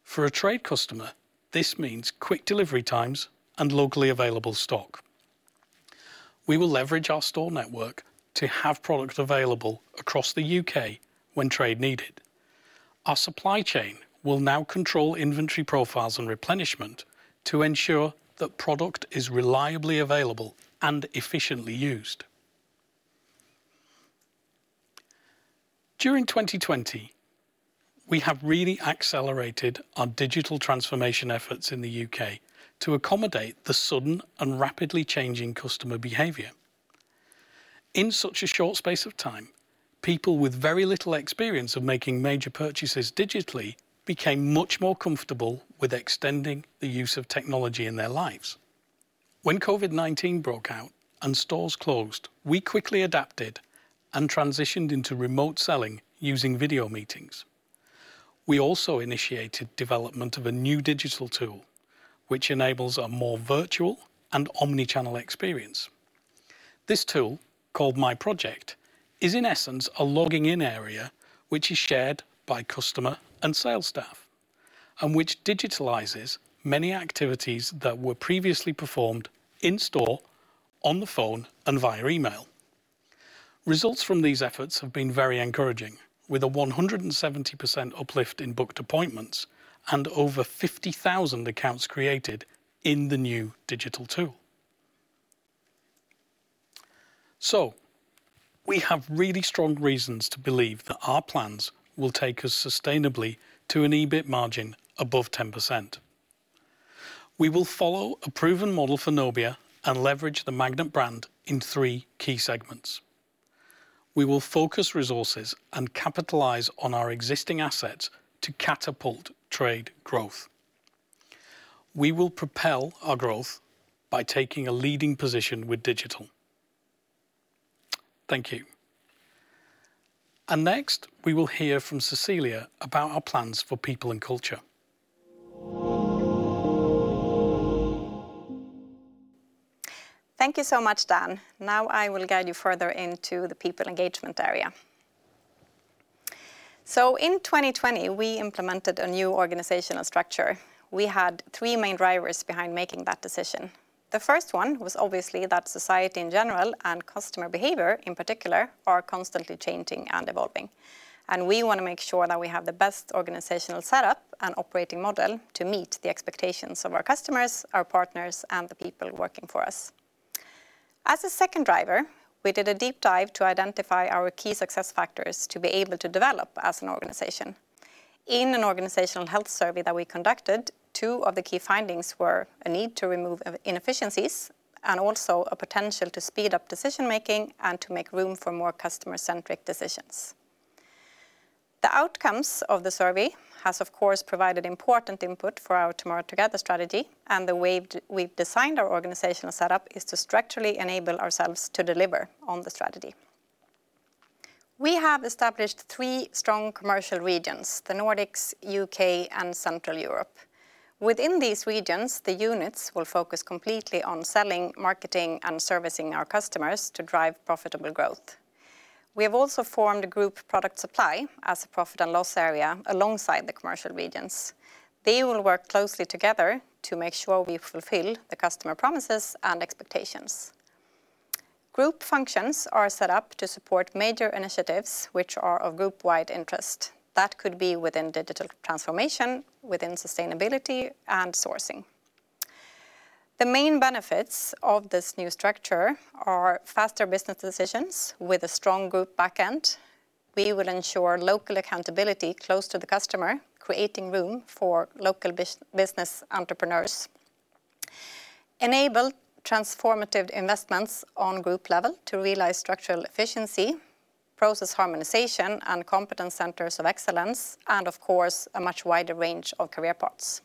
For a trade customer, this means quick delivery times and locally available stock. We will leverage our store network to have product available across the U.K. when trade need it. Our supply chain will now control inventory profiles and replenishment to ensure that product is reliably available and efficiently used. During 2020, we have really accelerated our digital transformation efforts in the U.K. to accommodate the sudden and rapidly changing customer behavior. In such a short space of time, people with very little experience of making major purchases digitally became much more comfortable with extending the use of technology in their lives. When COVID-19 broke out and stores closed, we quickly adapted and transitioned into remote selling using video meetings. We also initiated development of a new digital tool, which enables a more virtual and omni-channel experience. This tool, called My Project, is in essence a logging in area, which is shared by customer and sales staff, and which digitalizes many activities that were previously performed in-store, on the phone, and via email. Results from these efforts have been very encouraging, with a 170% uplift in booked appointments and over 50,000 accounts created in the new digital tool. We have really strong reasons to believe that our plans will take us sustainably to an EBIT margin above 10%. We will follow a proven model for Nobia and leverage the Magnet brand in three key segments. We will focus resources and capitalize on our existing assets to catapult trade growth. We will propel our growth by taking a leading position with digital. Thank you. Next, we will hear from Cecilia about our plans for people and culture. Thank you so much, Dan. I will guide you further into the people engagement area. In 2020, we implemented a new organizational structure. We had three main drivers behind making that decision. The first one was obviously that society in general and customer behavior, in particular, are constantly changing and evolving, and we want to make sure that we have the best organizational setup and operating model to meet the expectations of our customers, our partners, and the people working for us. As a second driver, we did a deep dive to identify our key success factors to be able to develop as an organization. In an organizational health survey that we conducted, two of the key findings were a need to remove inefficiencies and also a potential to speed up decision-making and to make room for more customer-centric decisions. The outcomes of the survey has of course provided important input for our Tomorrow Together strategy and the way we've designed our organizational setup is to structurally enable ourselves to deliver on the strategy. We have established three strong commercial regions, the Nordics, U.K., and Central Europe. Within these regions, the units will focus completely on selling, marketing, and servicing our customers to drive profitable growth. We have also formed a Group Product Supply as a profit and loss area alongside the commercial regions. They will work closely together to make sure we fulfill the customer promises and expectations. Group functions are set up to support major initiatives which are of group-wide interest. That could be within digital transformation, within sustainability, and sourcing. The main benefits of this new structure are faster business decisions with a strong group backend. We will ensure local accountability close to the customer, creating room for local business entrepreneurs, enable transformative investments on group level to realize structural efficiency, process harmonization and competence centers of excellence, and of course, a much wider range of career paths.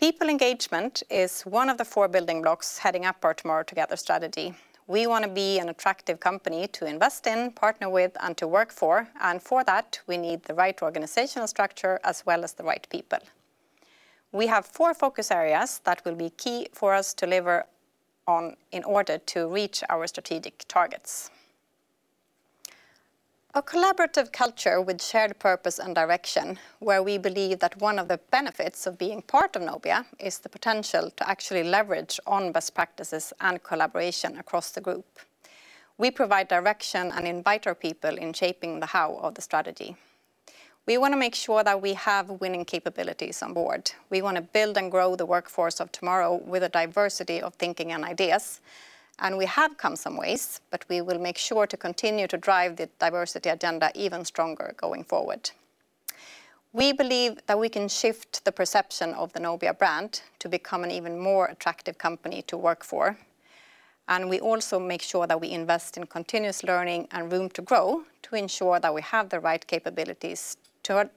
People engagement is one of the four building blocks heading up our Tomorrow Together strategy. We want to be an attractive company to invest in, partner with, and to work for, and for that, we need the right organizational structure as well as the right people. We have four focus areas that will be key for us to deliver on in order to reach our strategic targets. A collaborative culture with shared purpose and direction where we believe that one of the benefits of being part of Nobia is the potential to actually leverage on best practices and collaboration across the group. We provide direction and invite our people in shaping the how of the strategy. We want to make sure that we have winning capabilities on board. We want to build and grow the workforce of tomorrow with a diversity of thinking and ideas. We have come some ways. We will make sure to continue to drive the diversity agenda even stronger going forward. We believe that we can shift the perception of the Nobia brand to become an even more attractive company to work for. We also make sure that we invest in continuous learning and room to grow to ensure that we have the right capabilities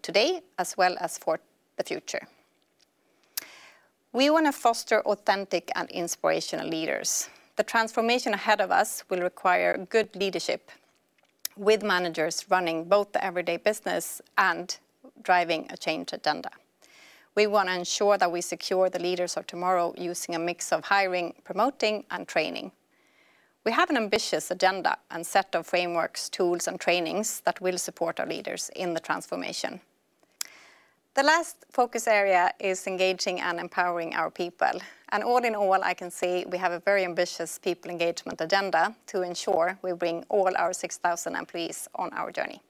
today as well as for the future. We want to foster authentic and inspirational leaders. The transformation ahead of us will require good leadership with managers running both the everyday business and driving a change agenda. We want to ensure that we secure the leaders of tomorrow using a mix of hiring, promoting, and training. We have an ambitious agenda and set of frameworks, tools, and trainings that will support our leaders in the transformation. The last focus area is engaging and empowering our people, and all in all, I can say we have a very ambitious people engagement agenda to ensure we bring all our 6,000 employees on our journey.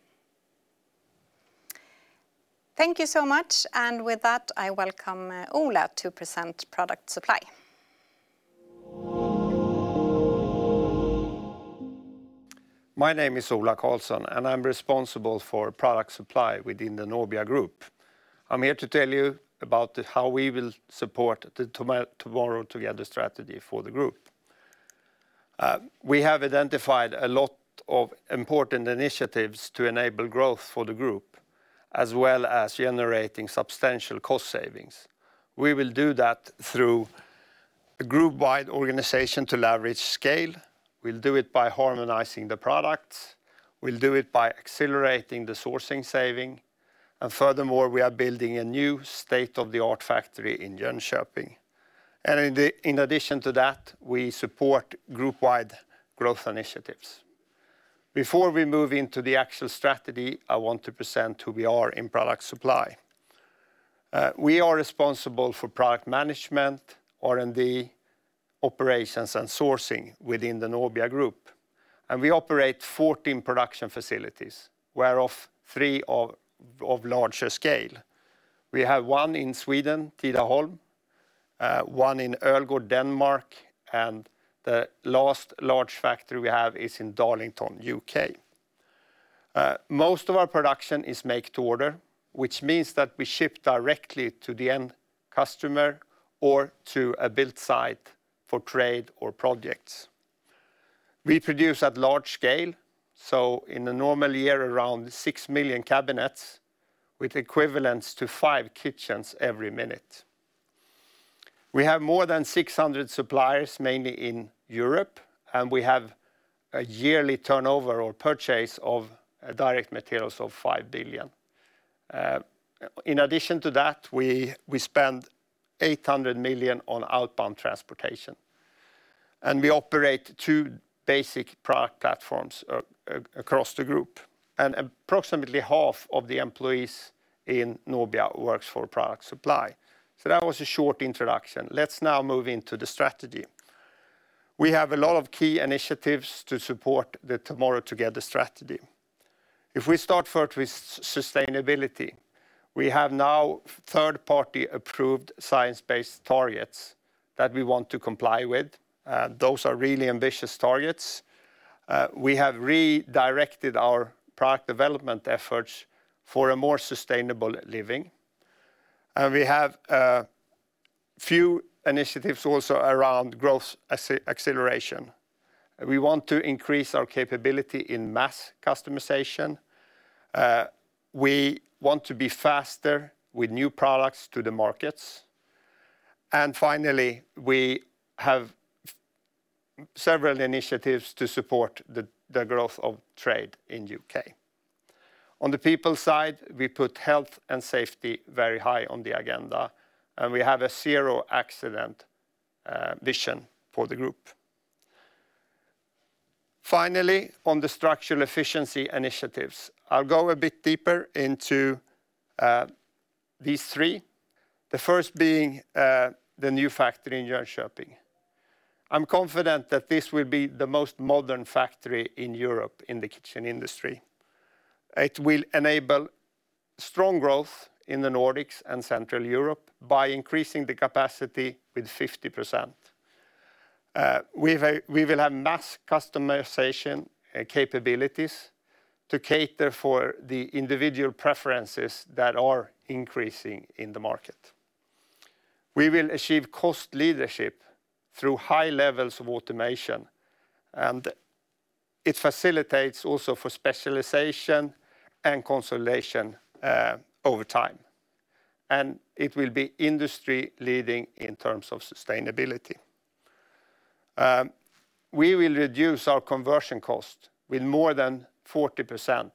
Thank you so much, and with that, I welcome Ola to present Product Supply. My name is Ola Carlsson, I'm responsible for Product Supply within the Nobia Group. I'm here to tell you about how we will support the Tomorrow Together strategy for the group. We have identified a lot of important initiatives to enable growth for the group, as well as generating substantial cost savings. We will do that through a group-wide organization to leverage scale. We'll do it by harmonizing the products. We'll do it by accelerating the sourcing saving. Furthermore, we are building a new state-of-the-art factory in Jönköping. In addition to that, we support group-wide growth initiatives. Before we move into the actual strategy, I want to present who we are in product supply. We are responsible for product management, R&D, operations, and sourcing within the Nobia Group. We operate 14 production facilities, whereof three of larger scale. We have one in Sweden, Tidaholm, one in Ølgod, Denmark, and the last large factory we have is in Darlington, U.K. Most of our production is make to order, which means that we ship directly to the end customer or to a build site for trade or projects. We produce at large scale, in a normal year, around six million cabinets, with equivalents to five kitchens every minute. We have more than 600 suppliers, mainly in Europe, we have a yearly turnover or purchase of direct materials of 5 billion. In addition to that, we spend 800 million on outbound transportation. We operate two basic product platforms across the group, approximately half of the employees in Nobia works for product supply. That was a short introduction. Let's now move into the strategy. We have a lot of key initiatives to support the Tomorrow Together strategy. If we start first with sustainability, we have now third-party approved Science-based targets that we want to comply with. Those are really ambitious targets. We have redirected our product development efforts for a more sustainable living, and we have a few initiatives also around growth acceleration. We want to increase our capability in mass customization. We want to be faster with new products to the markets. Finally, we have several initiatives to support the growth of trade in U.K. On the people side, we put health and safety very high on the agenda, and we have a zero accident vision for the group. Finally, on the structural efficiency initiatives, I'll go a bit deeper into these three, the first being the new factory in Jönköping. I'm confident that this will be the most modern factory in Europe in the kitchen industry. It will enable strong growth in the Nordics and Central Europe by increasing the capacity with 50%. We will have mass customization capabilities to cater for the individual preferences that are increasing in the market. We will achieve cost leadership through high levels of automation. It facilitates also for specialization and consolidation over time. It will be industry leading in terms of sustainability. We will reduce our conversion cost with more than 40%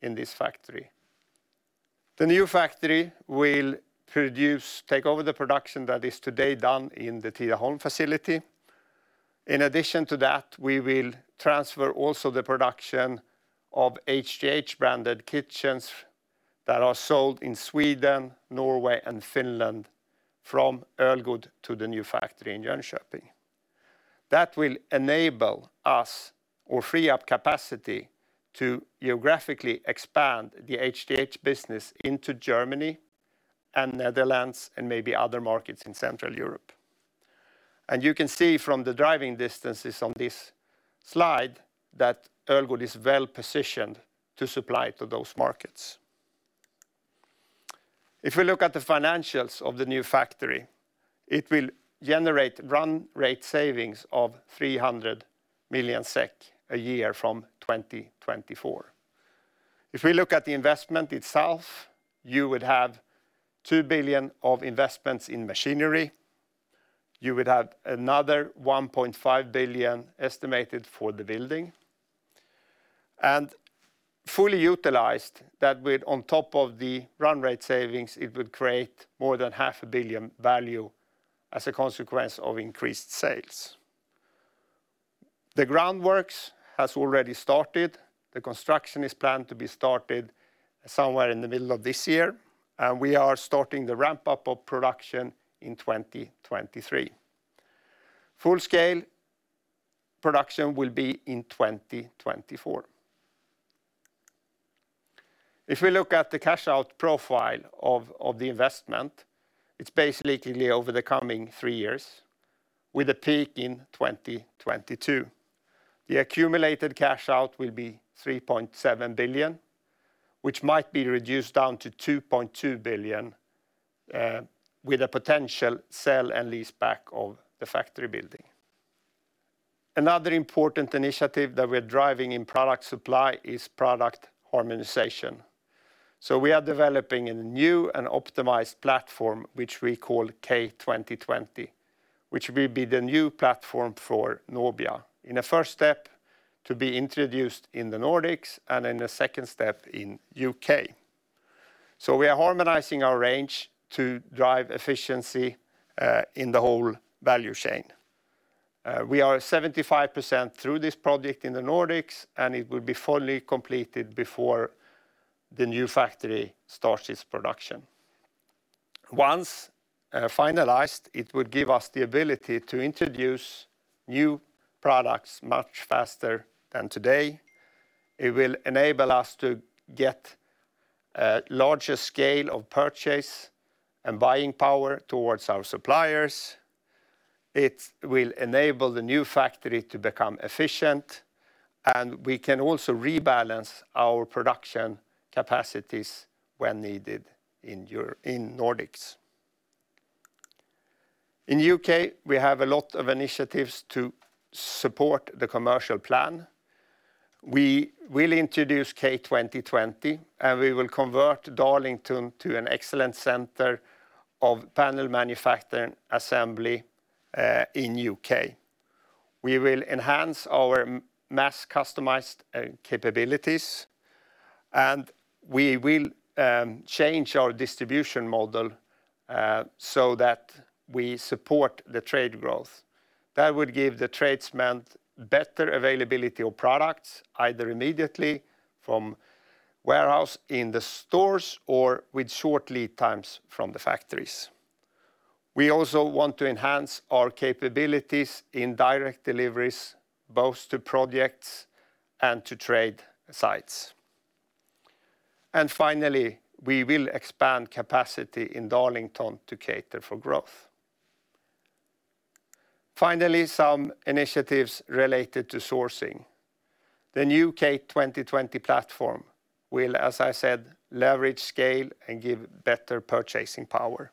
in this factory. The new factory will take over the production that is today done in the Tidaholm facility. In addition to that, we will transfer also the production of HTH-branded kitchens that are sold in Sweden, Norway, and Finland from Ølgod to the new factory in Jönköping. That will enable us or free up capacity to geographically expand the HTH business into Germany and Netherlands and maybe other markets in Central Europe. You can see from the driving distances on this slide that Ølgod is well-positioned to supply to those markets. If we look at the financials of the new factory, it will generate run rate savings of 300 million SEK a year from 2024. If we look at the investment itself, you would have 2 billion of investments in machinery. You would have another 1.5 billion estimated for the building. Fully utilized, that with on top of the run rate savings, it would create more than half a billion value as a consequence of increased sales. The groundworks has already started. The construction is planned to be started somewhere in the middle of this year, and we are starting the ramp-up of production in 2023. Full-scale production will be in 2024. If we look at the cash-out profile of the investment, it's basically over the coming three years, with a peak in 2022. The accumulated cash out will be 3.7 billion, which might be reduced down to 2.2 billion, with a potential sell and leaseback of the factory building. Important initiative that we're driving in Product Supply is product harmonization. We are developing a new and optimized platform, which we call K 2020, which will be the new platform for Nobia. In a first step, to be introduced in the Nordics, and in a second step in U.K. We are harmonizing our range to drive efficiency in the whole value chain. We are 75% through this project in the Nordics, and it will be fully completed before the new factory starts its production. Once finalized, it would give us the ability to introduce new products much faster than today. It will enable us to get a larger scale of purchase and buying power towards our suppliers. It will enable the new factory to become efficient, and we can also rebalance our production capacities when needed in Nordics. In U.K., we have a lot of initiatives to support the commercial plan. We will introduce K 2020, and we will convert Darlington to an excellent center of panel manufacturing assembly in U.K. We will enhance our mass customized capabilities, and we will change our distribution model so that we support the trade growth. That would give the tradesmen better availability of products, either immediately from warehouse in the stores or with short lead times from the factories. We also want to enhance our capabilities in direct deliveries, both to projects and to trade sites. Finally, we will expand capacity in Darlington to cater for growth. Finally, some initiatives related to sourcing. The new K 2020 platform will, as I said, leverage scale and give better purchasing power.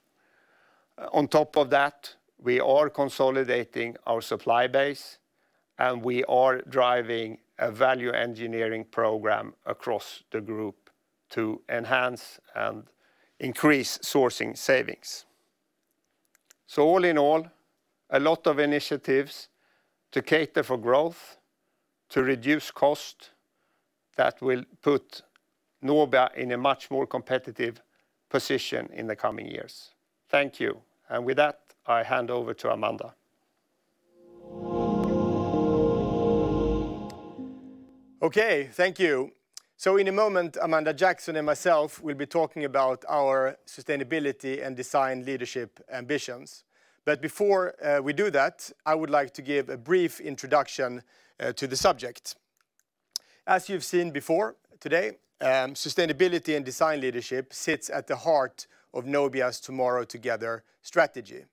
On top of that, we are consolidating our supply base, and we are driving a value engineering program across the group to enhance and increase sourcing savings. All in all, a lot of initiatives to cater for growth, to reduce cost that will put Nobia in a much more competitive position in the coming years. Thank you. With that, I hand over to Amanda. Okay. Thank you. In a moment, Amanda Jackson and myself will be talking about our sustainability and design leadership ambitions. Before we do that, I would like to give a brief introduction to the subject. As you've seen before today, sustainability and design leadership sits at the heart of Nobia's Tomorrow Together strategy.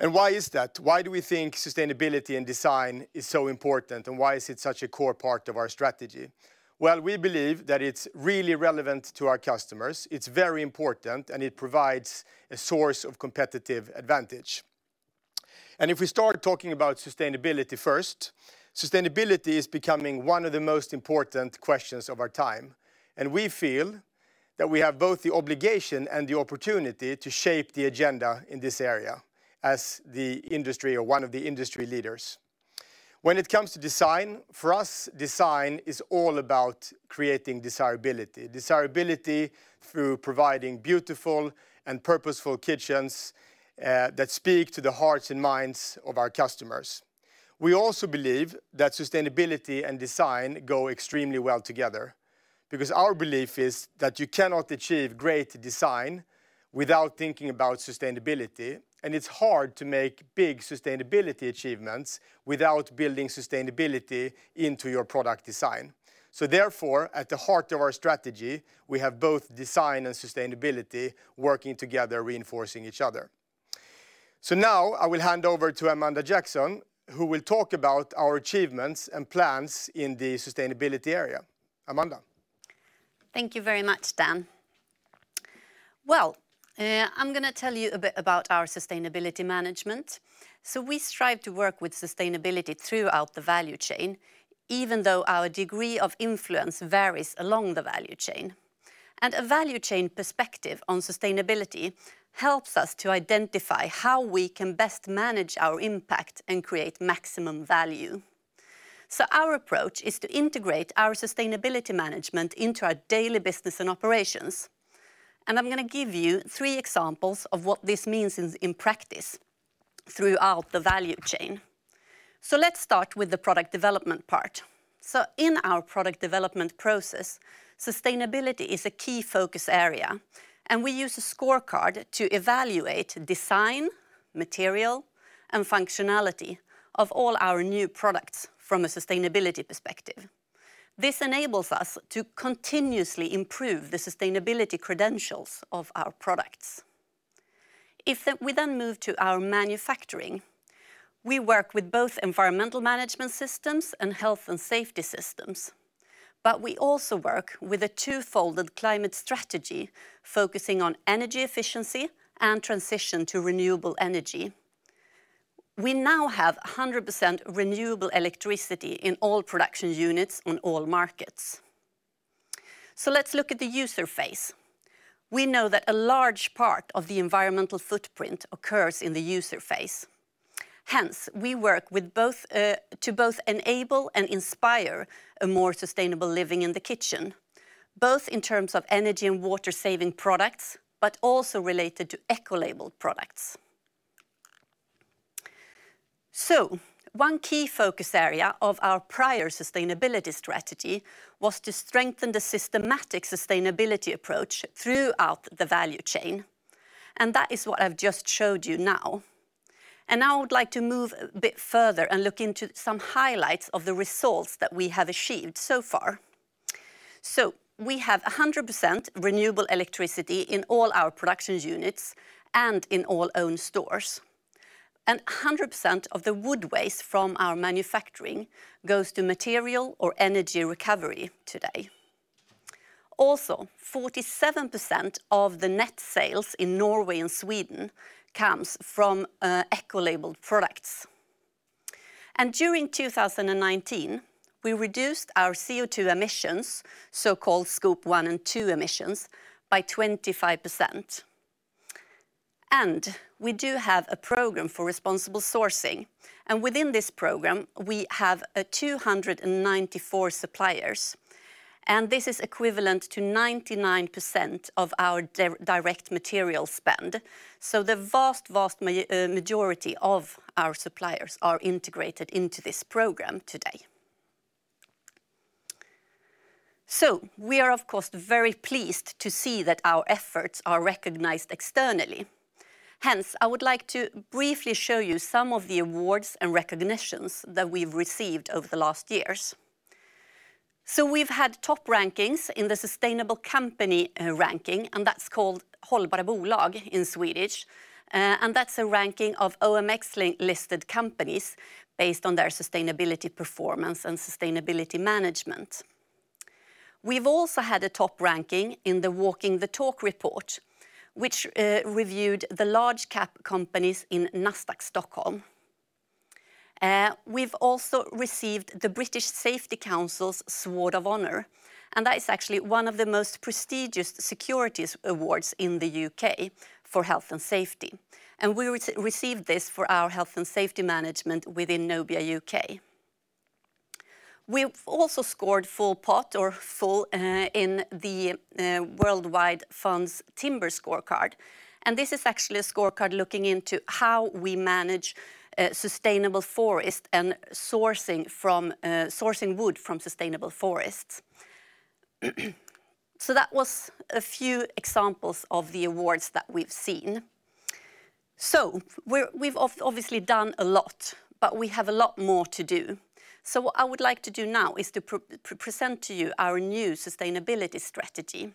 Why is that? Why do we think sustainability and design is so important, and why is it such a core part of our strategy? Well, we believe that it's really relevant to our customers. It's very important, and it provides a source of competitive advantage. If we start talking about sustainability first, sustainability is becoming one of the most important questions of our time, and we feel that we have both the obligation and the opportunity to shape the agenda in this area as the industry or one of the industry leaders. When it comes to design, for us, design is all about creating desirability. Desirability through providing beautiful and purposeful kitchens that speak to the hearts and minds of our customers. We also believe that sustainability and design go extremely well together because our belief is that you cannot achieve great design without thinking about sustainability, and it's hard to make big sustainability achievements without building sustainability into your product design. Therefore, at the heart of our strategy, we have both design and sustainability working together, reinforcing each other. Now I will hand over to Amanda Jackson, who will talk about our achievements and plans in the sustainability area. Amanda. Thank you very much, Dan. Well, I'm going to tell you a bit about our sustainability management. We strive to work with sustainability throughout the value chain, even though our degree of influence varies along the value chain. A value chain perspective on sustainability helps us to identify how we can best manage our impact and create maximum value. Our approach is to integrate our sustainability management into our daily business and operations, and I'm going to give you three examples of what this means in practice throughout the value chain. Let's start with the product development part. In our product development process, sustainability is a key focus area, and we use a scorecard to evaluate design, material, and functionality of all our new products from a sustainability perspective. This enables us to continuously improve the sustainability credentials of our products. If we then move to our manufacturing, we work with both environmental management systems and health and safety systems, but we also work with a two-folded climate strategy focusing on energy efficiency and transition to renewable energy. We now have 100% renewable electricity in all production units on all markets. Let's look at the user phase. We know that a large part of the environmental footprint occurs in the user phase. Hence, we work to both enable and inspire a more sustainable living in the kitchen, both in terms of energy and water-saving products, but also related to eco-label products. One key focus area of our prior sustainability strategy was to strengthen the systematic sustainability approach throughout the value chain, and that is what I've just showed you now. Now I would like to move a bit further and look into some highlights of the results that we have achieved so far. We have 100% renewable electricity in all our production units and in all owned stores. 100% of the wood waste from our manufacturing goes to material or energy recovery today. Also, 47% of the net sales in Norway and Sweden comes from eco-labeled products. During 2019, we reduced our CO2 emissions, so-called Scope 1 and 2 emissions, by 25%. We do have a program for responsible sourcing, and within this program, we have 294 suppliers, and this is equivalent to 99% of our direct material spend. The vast majority of our suppliers are integrated into this program today. We are of course, very pleased to see that our efforts are recognized externally. Hence, I would like to briefly show you some of the awards and recognitions that we've received over the last years. We've had top rankings in the sustainable company ranking, and that's called Hållbara bolag in Swedish. That's a ranking of OMX-listed companies based on their sustainability performance and sustainability management. We've also had a top ranking in the Walking the Talk report, which reviewed the large cap companies in Nasdaq Stockholm. We've also received the British Safety Council's Sword of Honor, and that is actually one of the most prestigious securities awards in the U.K. for health and safety. We received this for our health and safety management within Nobia U.K. We've also scored full pot or full in the World Wildlife Fund Timber Scorecard, and this is actually a scorecard looking into how we manage sustainable forest and sourcing wood from sustainable forests. That was a few examples of the awards that we've seen. we've obviously done a lot, but we have a lot more to do. what I would like to do now is to present to you our new sustainability strategy.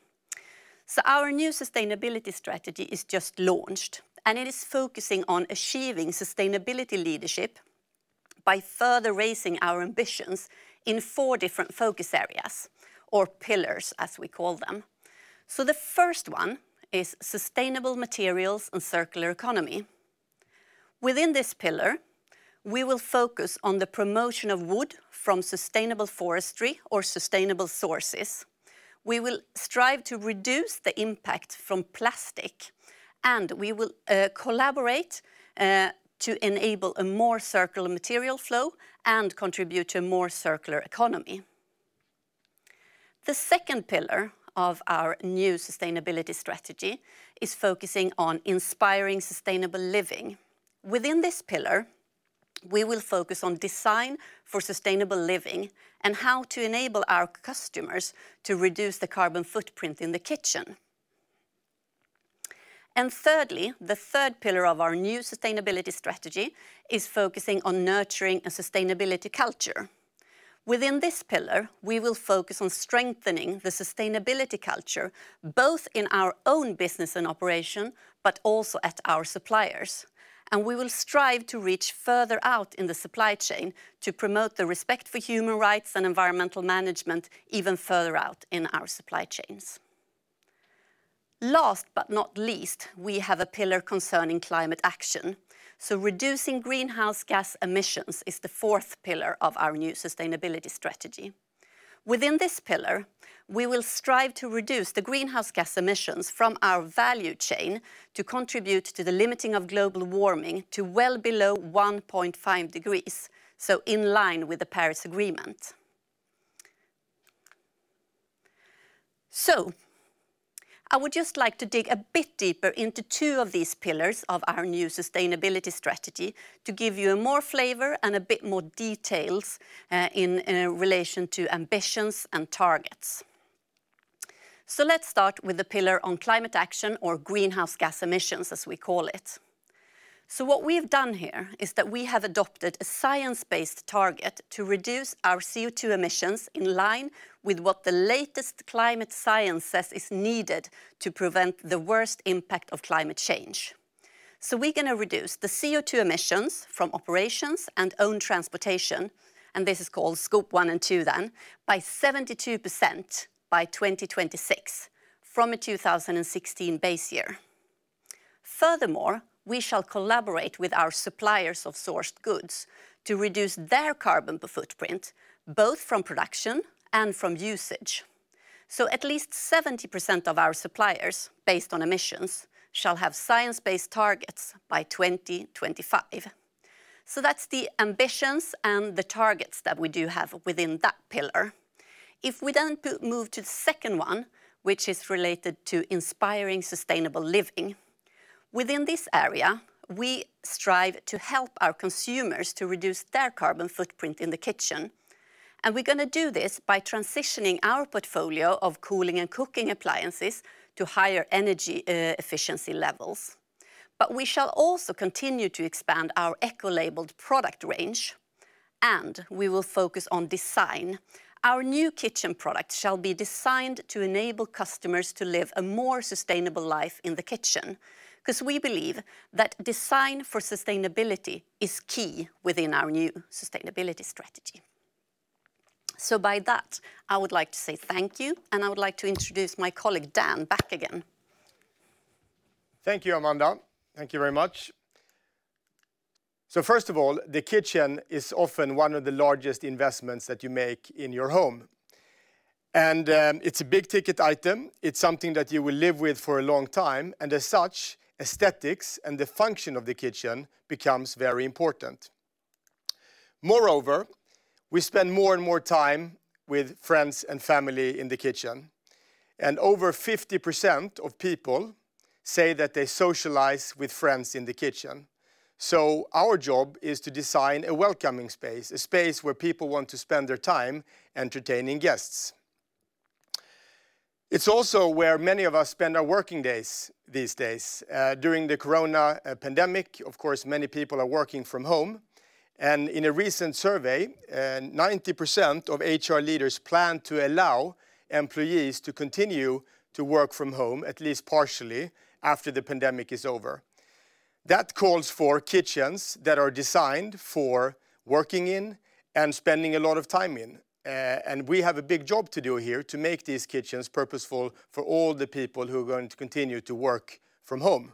Our new sustainability strategy is just launched, and it is focusing on achieving sustainability leadership by further raising our ambitions in four different focus areas or pillars, as we call them. The first one is sustainable materials and circular economy. Within this pillar, we will focus on the promotion of wood from sustainable forestry or sustainable sources. We will strive to reduce the impact from plastic, and we will collaborate to enable a more circular material flow and contribute to a more circular economy. The second pillar of our new sustainability strategy is focusing on inspiring sustainable living. Within this pillar, we will focus on design for sustainable living and how to enable our customers to reduce the carbon footprint in the kitchen. Thirdly, the third pillar of our new sustainability strategy is focusing on nurturing a sustainability culture. Within this pillar, we will focus on strengthening the sustainability culture, both in our own business and operation, but also at our suppliers. We will strive to reach further out in the supply chain to promote the respect for human rights and environmental management even further out in our supply chains. Last but not least, we have a pillar concerning climate action. Reducing greenhouse gas emissions is the fourth pillar of our new sustainability strategy. Within this pillar, we will strive to reduce the greenhouse gas emissions from our value chain to contribute to the limiting of global warming to well below 1.5 degrees, so in line with the Paris Agreement. I would just like to dig a bit deeper into two of these pillars of our new sustainability strategy to give you more flavor and a bit more details in relation to ambitions and targets. Let's start with the pillar on climate action or greenhouse gas emissions, as we call it. What we've done here is that we have adopted a science-based target to reduce our CO2 emissions in line with what the latest climate science says is needed to prevent the worst impact of climate change. We're going to reduce the CO2 emissions from operations and owned transportation, and this is called Scope 1 and 2 then, by 72% by 2026, from a 2016 base year. Furthermore, we shall collaborate with our suppliers of sourced goods to reduce their carbon footprint, both from production and from usage. At least 70% of our suppliers, based on emissions, shall have science-based targets by 2025. That's the ambitions and the targets that we do have within that pillar. If we then move to the second one, which is related to inspiring sustainable living. Within this area, we strive to help our consumers to reduce their carbon footprint in the kitchen. We're going to do this by transitioning our portfolio of cooling and cooking appliances to higher energy efficiency levels. We shall also continue to expand our eco-labeled product range, and we will focus on design. Our new kitchen products shall be designed to enable customers to live a more sustainable life in the kitchen, because we believe that design for sustainability is key within our new sustainability strategy. with that, I would like to say thank you, and I would like to introduce my colleague Dan back again. Thank you, Amanda. Thank you very much. First of all, the kitchen is often one of the largest investments that you make in your home. It's a big-ticket item. It's something that you will live with for a long time, and as such, aesthetics and the function of the kitchen becomes very important. Moreover, we spend more and more time with friends and family in the kitchen, and over 50% of people say that they socialize with friends in the kitchen. Our job is to design a welcoming space, a space where people want to spend their time entertaining guests. It's also where many of us spend our working days these days. During the corona pandemic, of course, many people are working from home, and in a recent survey, 90% of HR leaders plan to allow employees to continue to work from home, at least partially, after the pandemic is over. That calls for kitchens that are designed for working in and spending a lot of time in. We have a big job to do here to make these kitchens purposeful for all the people who are going to continue to work from home.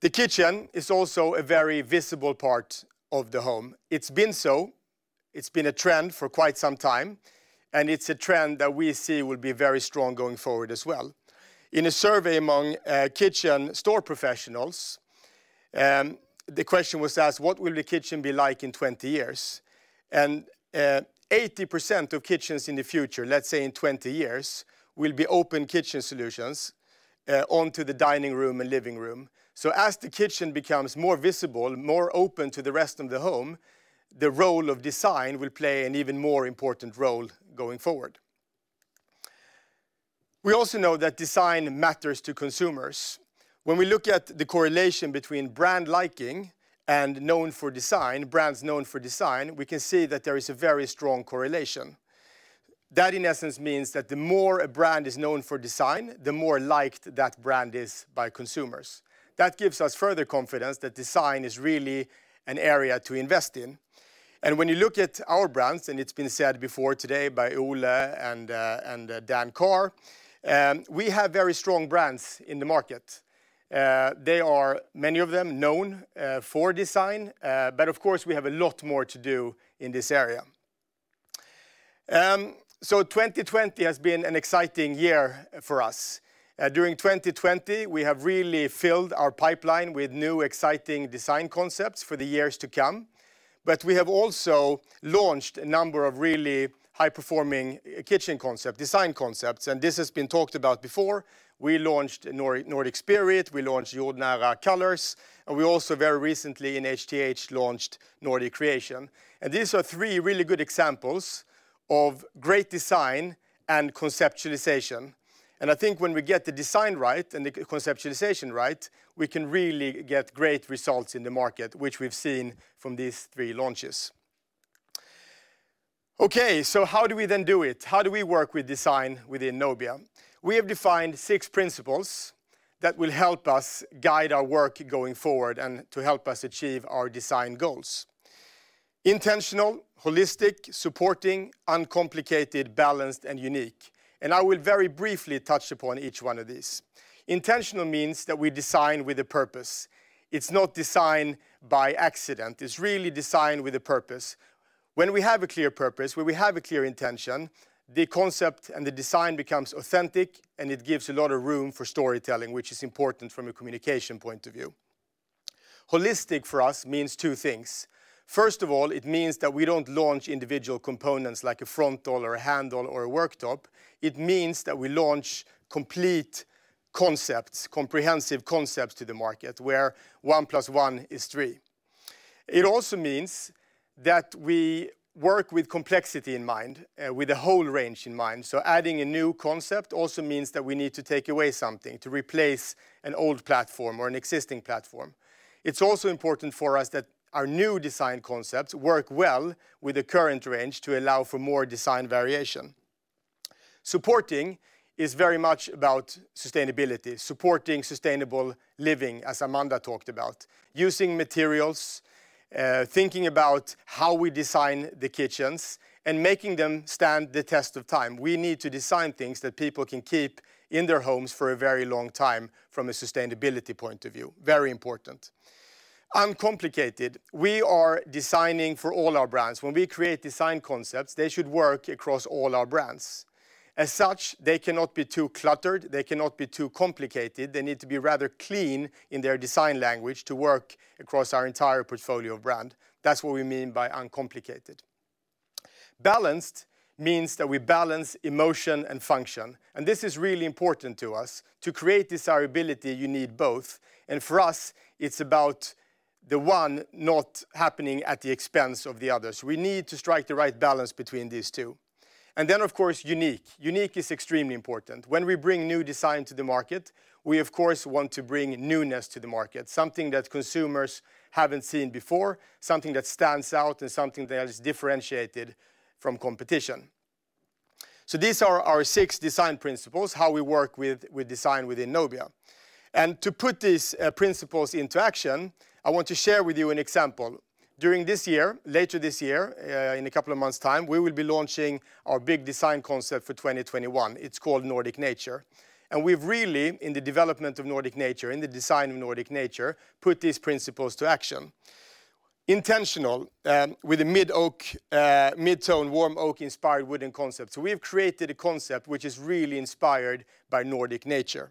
The kitchen is also a very visible part of the home. It's been so, it's been a trend for quite some time, and it's a trend that we see will be very strong going forward as well. In a survey among kitchen store professionals, the question was asked, what will the kitchen be like in 20 years? 80% of kitchens in the future, let's say in 20 years, will be open kitchen solutions onto the dining room and living room. As the kitchen becomes more visible, more open to the rest of the home, the role of design will play an even more important role going forward. We also know that design matters to consumers. When we look at the correlation between brand liking and known for design, brands known for design, we can see that there is a very strong correlation. That, in essence, means that the more a brand is known for design, the more liked that brand is by consumers. That gives us further confidence that design is really an area to invest in. When you look at our brands, and it's been said before today by Ole and Dan Carr, we have very strong brands in the market. Many of them are known for design, but of course, we have a lot more to do in this area. 2020 has been an exciting year for us. During 2020, we have really filled our pipeline with new, exciting design concepts for the years to come. We have also launched a number of really high-performing kitchen concepts, design concepts, and this has been talked about before. We launched Nordic Spirit, we launched Jordnära colors, and we also very recently in HTH launched Nordic Creation. These are three really good examples of great design and conceptualization. I think when we get the design right and the conceptualization right, we can really get great results in the market, which we've seen from these three launches. Okay, so how do we then do it? How do we work with design within Nobia? We have defined six principles that will help us guide our work going forward and to help us achieve our design goals. Intentional, holistic, supporting, uncomplicated, balanced, and unique. I will very briefly touch upon each one of these. Intentional means that we design with a purpose. It's not designed by accident. It's really designed with a purpose. When we have a clear purpose, when we have a clear intention, the concept and the design becomes authentic, and it gives a lot of room for storytelling, which is important from a communication point of view. Holistic for us means two things. First of all, it means that we don't launch individual components like a front door or a handle or a worktop. It means that we launch complete concepts, comprehensive concepts to the market where one plus one is three. It also means that we work with complexity in mind, with a whole range in mind. Adding a new concept also means that we need to take away something to replace an old platform or an existing platform. It's also important for us that our new design concepts work well with the current range to allow for more design variation. Supporting is very much about sustainability, supporting sustainable living, as Amanda talked about. Using materials, thinking about how we design the kitchens, and making them stand the test of time. We need to design things that people can keep in their homes for a very long time from a sustainability point of view. Very important. Uncomplicated. We are designing for all our brands. When we create design concepts, they should work across all our brands. As such, they cannot be too cluttered. They cannot be too complicated. They need to be rather clean in their design language to work across our entire portfolio of brand. That's what we mean by uncomplicated. Balanced means that we balance emotion and function, and this is really important to us. To create desirability, you need both, and for us, it's about the one not happening at the expense of the other. We need to strike the right balance between these two. Of course, unique. Unique is extremely important. When we bring new design to the market, we of course want to bring newness to the market, something that consumers haven't seen before, something that stands out, and something that is differentiated from competition. These are our six design principles, how we work with design within Nobia. To put these principles into action, I want to share with you an example. During this year, later this year, in a couple of months' time, we will be launching our big design concept for 2021. It's called Nordic Nature, and we've really, in the development of Nordic Nature, in the design of Nordic Nature, put these principles to action. Intentional with a mid-tone warm oak-inspired wooden concept. We've created a concept which is really inspired by Nordic nature.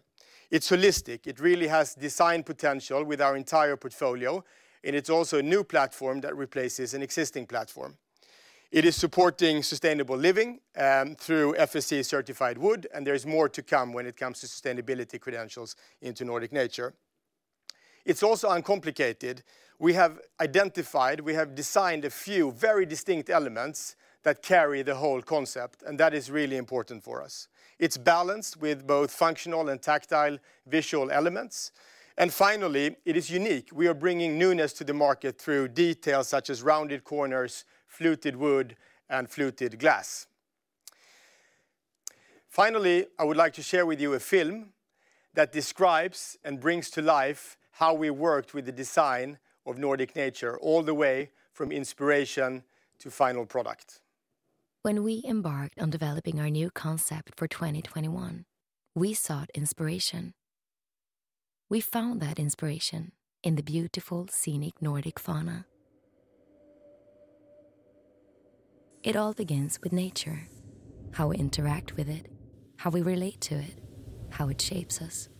It's holistic. It really has design potential with our entire portfolio, and it's also a new platform that replaces an existing platform. It is supporting sustainable living through FSC-certified wood, and there is more to come when it comes to sustainability credentials into Nordic Nature. It's also uncomplicated. We have identified, we have designed a few very distinct elements that carry the whole concept, and that is really important for us. It's balanced with both functional and tactile visual elements. Finally, it is unique. We are bringing newness to the market through details such as rounded corners, fluted wood, and fluted glass. Finally, I would like to share with you a film that describes and brings to life how we worked with the design of Nordic Nature, all the way from inspiration to final product. When we embarked on developing our new concept for 2021, we sought inspiration. We found that inspiration in the beautiful scenic Nordic fauna. It all begins with nature, how we interact with it, how we relate to it, how it shapes us,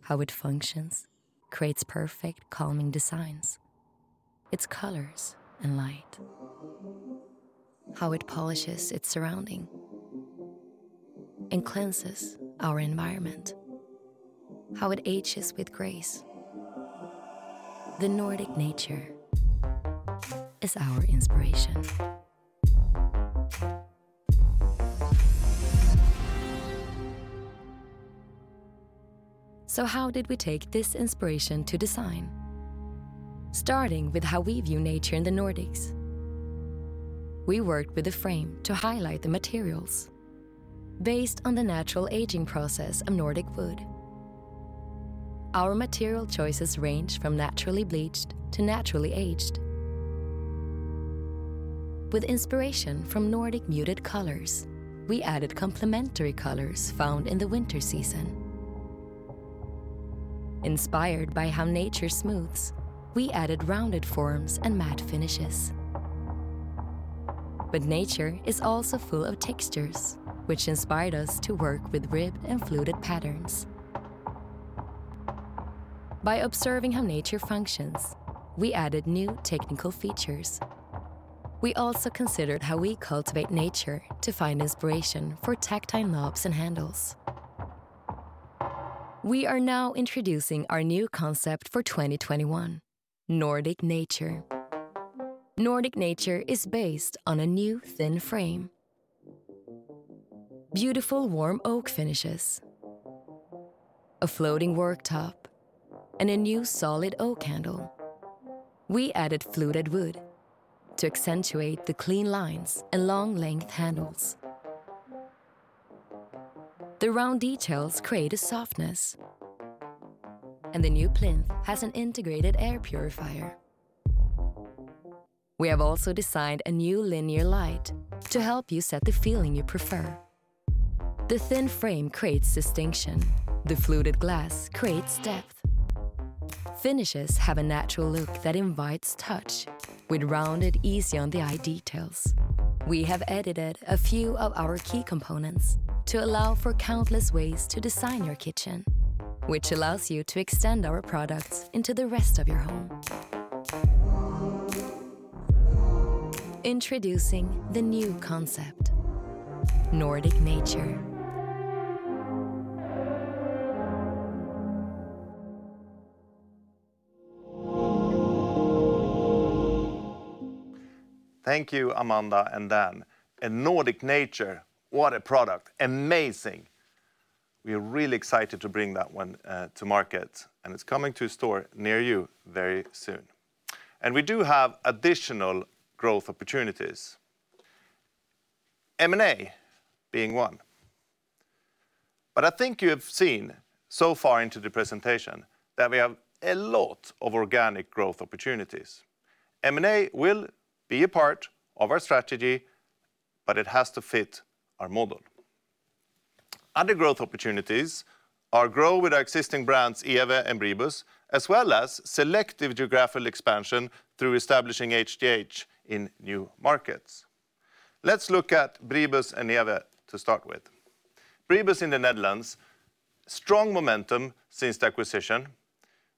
how it functions, creates perfect calming designs, its colors, and light. How it polishes its surrounding and cleanses our environment. How it ages with grace. The Nordic Nature is our inspiration. How did we take this inspiration to design? Starting with how we view nature in the Nordics. We worked with the frame to highlight the materials based on the natural aging process of Nordic wood. Our material choices range from naturally bleached to naturally aged. With inspiration from Nordic muted colors, we added complementary colors found in the winter season. Inspired by how nature smooths, we added rounded forms and matte finishes. Nature is also full of textures, which inspired us to work with rib and fluted patterns. By observing how nature functions, we added new technical features. We also considered how we cultivate nature to find inspiration for tactile knobs and handles. We are now introducing our new concept for 2021: Nordic Nature. Nordic Nature is based on a new thin frame, beautiful warm oak finishes, a floating worktop, and a new solid oak handle. We added fluted wood to accentuate the clean lines and long length handles. The round details create a softness, and the new plinth has an integrated air purifier. We have also designed a new linear light to help you set the feeling you prefer. The thin frame creates distinction. The fluted glass creates depth. Finishes have a natural look that invites touch with rounded, easy-on-the-eye details. We have edited a few of our key components to allow for countless ways to design your kitchen, which allows you to extend our products into the rest of your home. Introducing the new concept: Nordic Nature. Thank you, Amanda and Dan. Nordic Nature, what a product. Amazing. We are really excited to bring that one to market, and it's coming to a store near you very soon. We do have additional growth opportunities, M&A being one. I think you have seen so far into the presentation that we have a lot of organic growth opportunities. M&A will be a part of our strategy, but it has to fit our model. Other growth opportunities are grow with our existing brands, ewe and Bribus, as well as selective geographical expansion through establishing HTH in new markets. Let's look at Bribus and ewe to start with. Bribus in the Netherlands, strong momentum since the acquisition,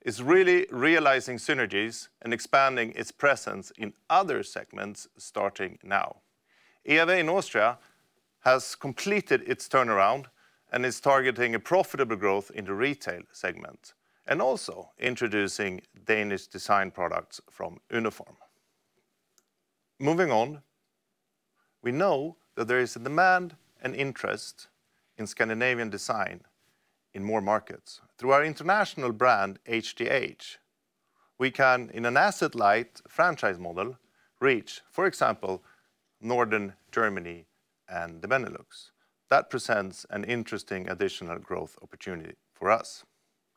is really realizing synergies and expanding its presence in other segments, starting now. ewe in Austria has completed its turnaround and is targeting a profitable growth in the retail segment, and also introducing Danish design products from uno form. Moving on, we know that there is a demand and interest in Scandinavian design in more markets. Through our international brand, HTH, we can, in an asset-light franchise model, reach, for example, Northern Germany and the Benelux. That presents an interesting additional growth opportunity for us,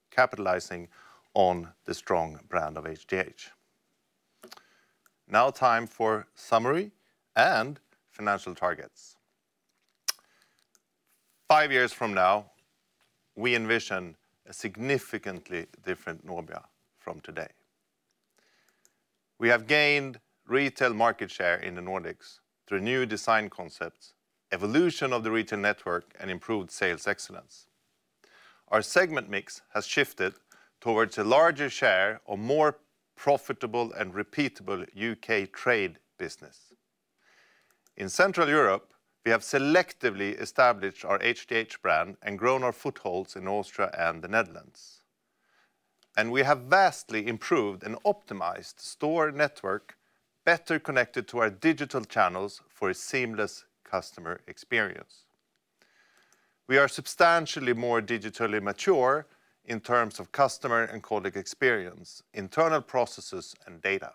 capitalizing on the strong brand of HTH. Now time for summary and financial targets. Five years from now, we envision a significantly different Nobia from today. We have gained retail market share in the Nordics through new design concepts, evolution of the retail network, and improved sales excellence. Our segment mix has shifted towards a larger share of more profitable and repeatable U.K. trade business. In Central Europe, we have selectively established our HTH brand and grown our footholds in Austria and the Netherlands. We have vastly improved and optimized store network better connected to our digital channels for a seamless customer experience. We are substantially more digitally mature in terms of customer and colleague experience, internal processes, and data.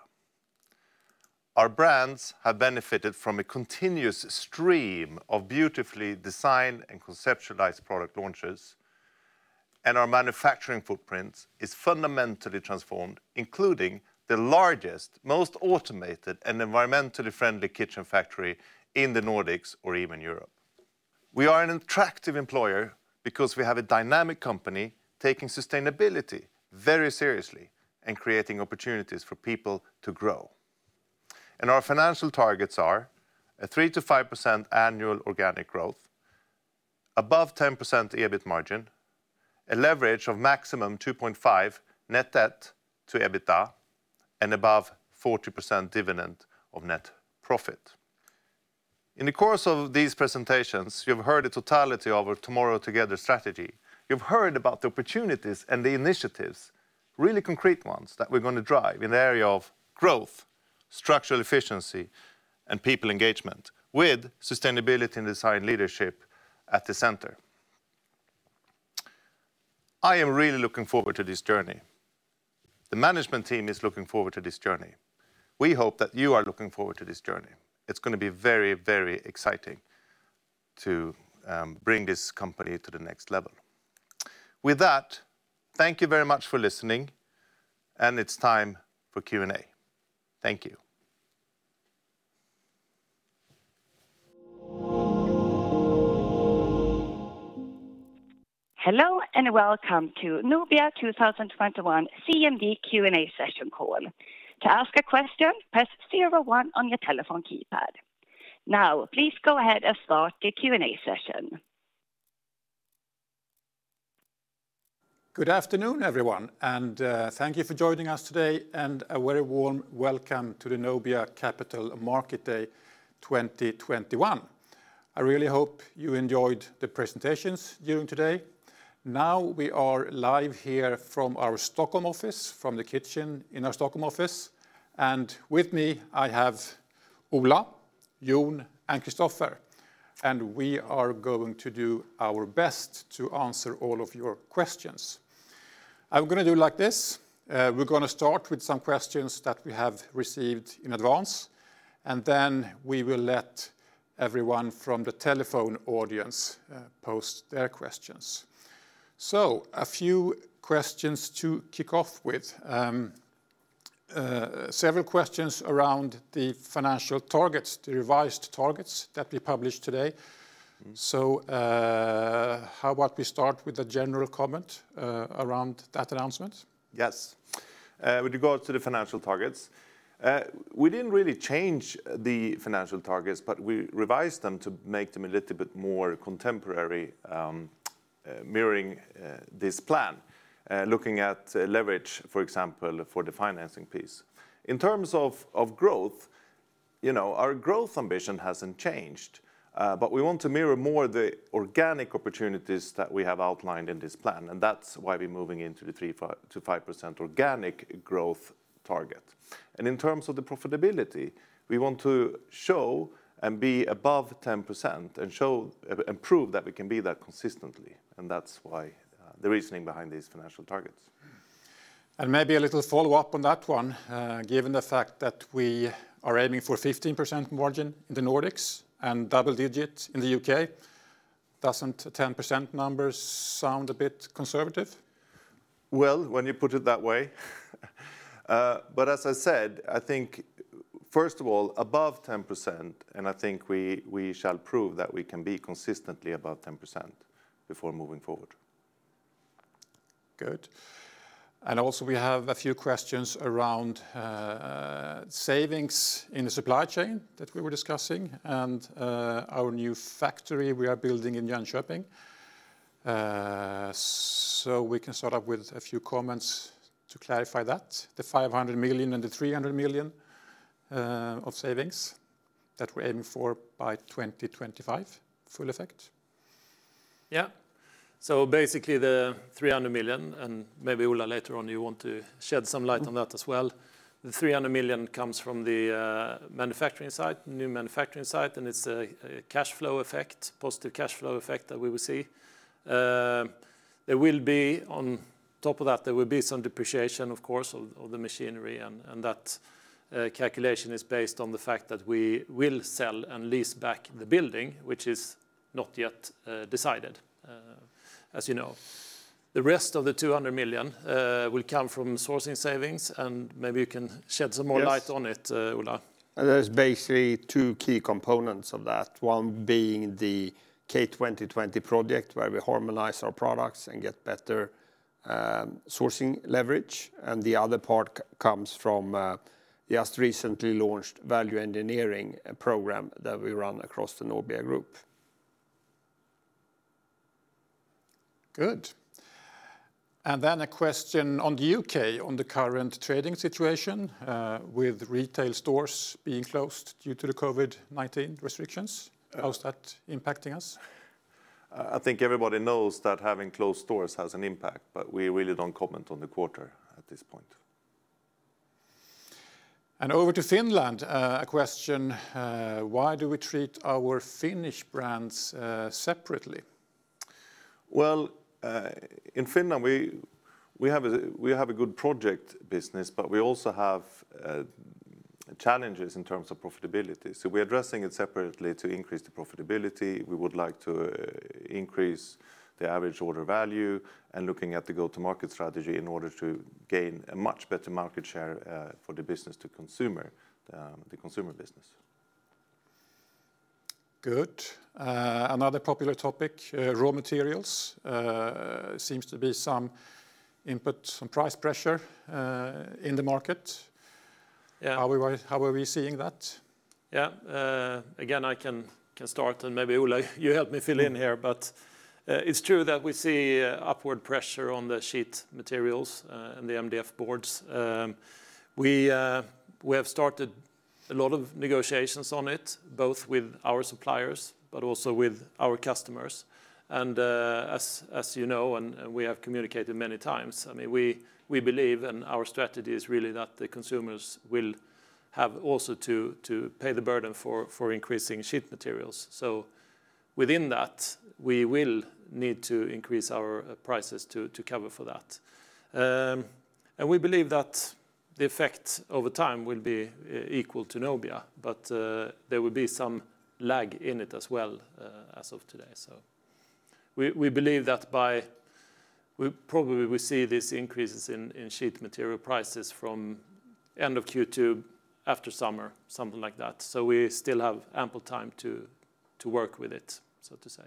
Our brands have benefited from a continuous stream of beautifully designed and conceptualized product launches, and our manufacturing footprint is fundamentally transformed, including the largest, most automated, and environmentally friendly kitchen factory in the Nordics or even Europe. We are an attractive employer because we have a dynamic company taking sustainability very seriously and creating opportunities for people to grow. Our financial targets are a 3%-5% annual organic growth, above 10% EBIT margin, a leverage of maximum 2.5 net debt to EBITDA, and above 40% dividend of net profit. In the course of these presentations, you've heard the totality of our Tomorrow Together strategy. You've heard about the opportunities and the initiatives, really concrete ones, that we're going to drive in the area of growth, structural efficiency, and people engagement, with sustainability and design leadership at the center. I am really looking forward to this journey. The management team is looking forward to this journey. We hope that you are looking forward to this journey. It's going to be very exciting to bring this company to the next level. With that, thank you very much for listening, and it's time for Q&A. Thank you. Hello, and welcome to Nobia 2021 CMD Q&A session call. To ask a question, press zero one on your telephone keypad. Now, please go ahead and start the Q&A session. Good afternoon, everyone, and thank you for joining us today, and a very warm welcome to the Nobia Capital Market Day 2021. I really hope you enjoyed the presentations during today. Now we are live here from our Stockholm office, from the kitchen in our Stockholm office. With me, I have Ola, Jon, and Kristoffer. We are going to do our best to answer all of your questions. I'm going to do like this. We're going to start with some questions that we have received in advance, and then we will let everyone from the telephone audience post their questions. A few questions to kick off with. Several questions around the financial targets, the revised targets that we published today. How about we start with a general comment around that announcement? Yes. With regards to the financial targets, we didn't really change the financial targets, but we revised them to make them a little bit more contemporary, mirroring this plan. Looking at leverage, for example, for the financing piece. In terms of growth. Our growth ambition hasn't changed, but we want to mirror more the organic opportunities that we have outlined in this plan, and that's why we're moving into the 3%-5% organic growth target. In terms of the profitability, we want to show and be above 10% and prove that we can be that consistently, and that's the reasoning behind these financial targets. Maybe a little follow-up on that one, given the fact that we are aiming for 15% margin in the Nordics and double digits in the U.K., doesn't 10% numbers sound a bit conservative? Well, when you put it that way. As I said, I think, first of all, above 10%, and I think we shall prove that we can be consistently above 10% before moving forward. Good. Also, we have a few questions around savings in the supply chain that we were discussing and our new factory we are building in Jönköping. We can start up with a few comments to clarify that, the 500 million and the 300 million of savings that we're aiming for by 2025, full effect. Yeah. basically, the 300 million, and maybe Ola, later on, you want to shed some light on that as well. The 300 million comes from the new manufacturing site, and it's a positive cash flow effect that we will see. On top of that, there will be some depreciation, of course, of the machinery, and that calculation is based on the fact that we will sell and lease back the building, which is not yet decided, as you know. The rest of the 200 million will come from sourcing savings, and maybe you can shed some more light on it, Ola. Yes. There's basically two key components of that, one being the K 2020 project where we harmonize our products and get better sourcing leverage, and the other part comes from the just recently launched value engineering program that we run across the Nobia group. Good. a question on the U.K. on the current trading situation, with retail stores being closed due to the COVID-19 restrictions. How's that impacting us? I think everybody knows that having closed stores has an impact, but we really don't comment on the quarter at this point. Over to Finland, a question. Why do we treat our Finnish brands separately? Well, in Finland, we have a good project business, but we also have challenges in terms of profitability, so we're addressing it separately to increase the profitability. We would like to increase the average order value and looking at the go-to-market strategy in order to gain a much better market share for the business to consumer, the consumer business. Good. Another popular topic, raw materials. Seems to be some input, some price pressure in the market. Yeah. How are we seeing that? Yeah. Again, I can start, and maybe Ola, you help me fill in here. It's true that we see upward pressure on the sheet materials and the MDF boards. We have started a lot of negotiations on it, both with our suppliers but also with our customers. As you know, and we have communicated many times, we believe and our strategy is really that the consumers will have also to pay the burden for increasing sheet materials. Within that, we will need to increase our prices to cover for that. We believe that the effect over time will be equal to Nobia, but there will be some lag in it as well as of today. We believe that probably, we see these increases in sheet material prices from end of Q2, after summer, something like that so we still have ample time to work with it, so to say.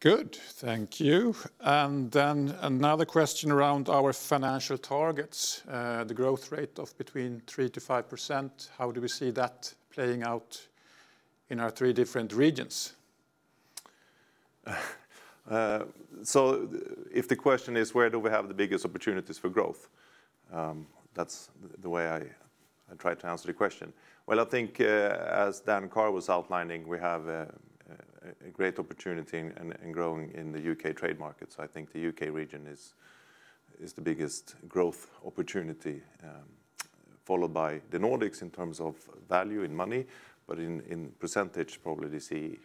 Good. Thank you. Then another question around our financial targets, the growth rate of between 3%-5%, how do we see that playing out in our three different regions? If the question is, where do we have the biggest opportunities for growth? That's the way I try to answer the question. Well, I think as Dan Carr was outlining, we have a great opportunity in growing in the U.K. trade market. I think the U.K. region is the biggest growth opportunity, followed by the Nordics in terms of value in money. In percentage, probably the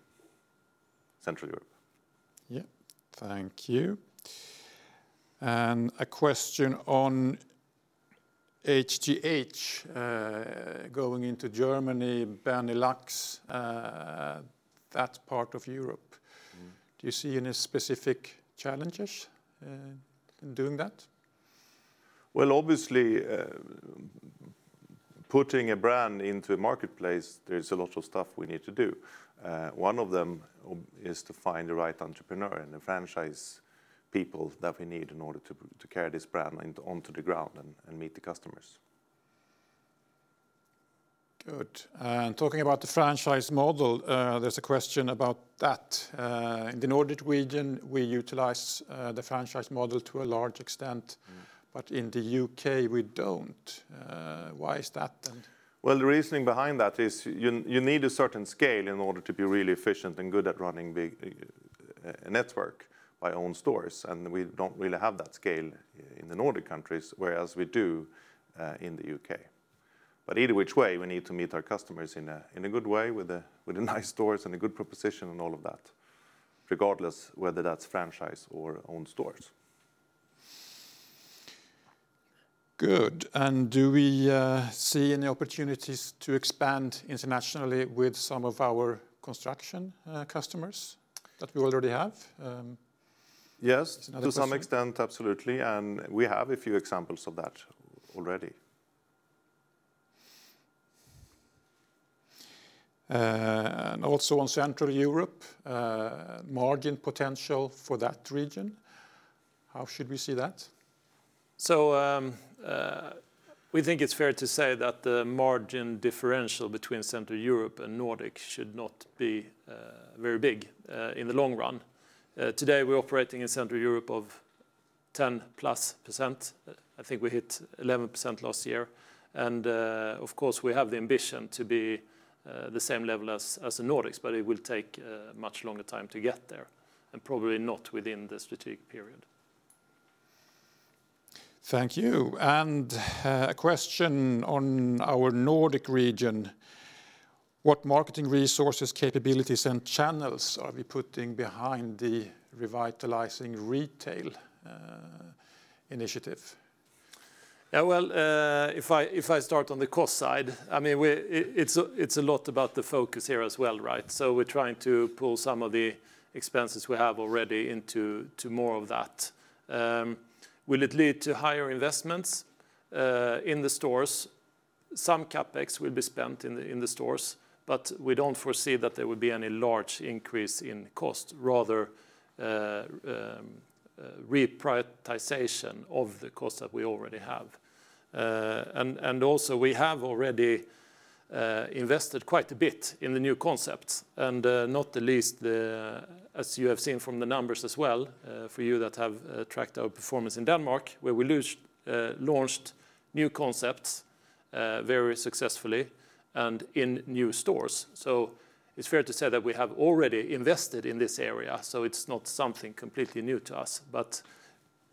Central Europe. Yeah. Thank you. A question on HTH, going into Germany, Benelux, that part of Europe. Do you see any specific challenges in doing that? Well, obviously, putting a brand into a marketplace, there is a lot of stuff we need to do. One of them is to find the right entrepreneur and the franchise people that we need in order to carry this brand onto the ground and meet the customers. Good. Talking about the franchise model, there's a question about that. In the Region Nordic, we utilize the franchise model to a large extent. In the U.K. we don't. Why is that? The reasoning behind that is you need a certain scale in order to be really efficient and good at running a big network by owned stores, and we don't really have that scale in the Nordic countries, whereas we do in the U.K. Either which way, we need to meet our customers in a good way with nice stores and a good proposition and all of that, regardless whether that's franchise or owned stores. Good. Do we see any opportunities to expand internationally with some of our construction customers that we already have? Yes. Another question. To some extent, absolutely. We have a few examples of that already. Also on Central Europe, margin potential for that region. How should we see that? We think it is fair to say that the margin differential between Central Europe and Nordic should not be very big in the long run. Today, we are operating in Central Europe of +10%. I think we hit 11% last year. Of course, we have the ambition to be the same level as the Nordics, but it will take a much longer time to get there, and probably not within the strategic period. Thank you. A question on our Region Nordic. What marketing resources, capabilities, and channels are we putting behind the Revitalizing Retail Initiative? Yeah, well, if I start on the cost side, it's a lot about the focus here as well, right? We're trying to pull some of the expenses we have already into more of that. Will it lead to higher investments in the stores? Some CapEx will be spent in the stores, but we don't foresee that there would be any large increase in cost, rather reprioritization of the cost that we already have. Also we have already invested quite a bit in the new concepts, and not the least, as you have seen from the numbers as well, for you that have tracked our performance in Denmark, where we launched new concepts very successfully and in new stores. It's fair to say that we have already invested in this area, so it's not something completely new to us.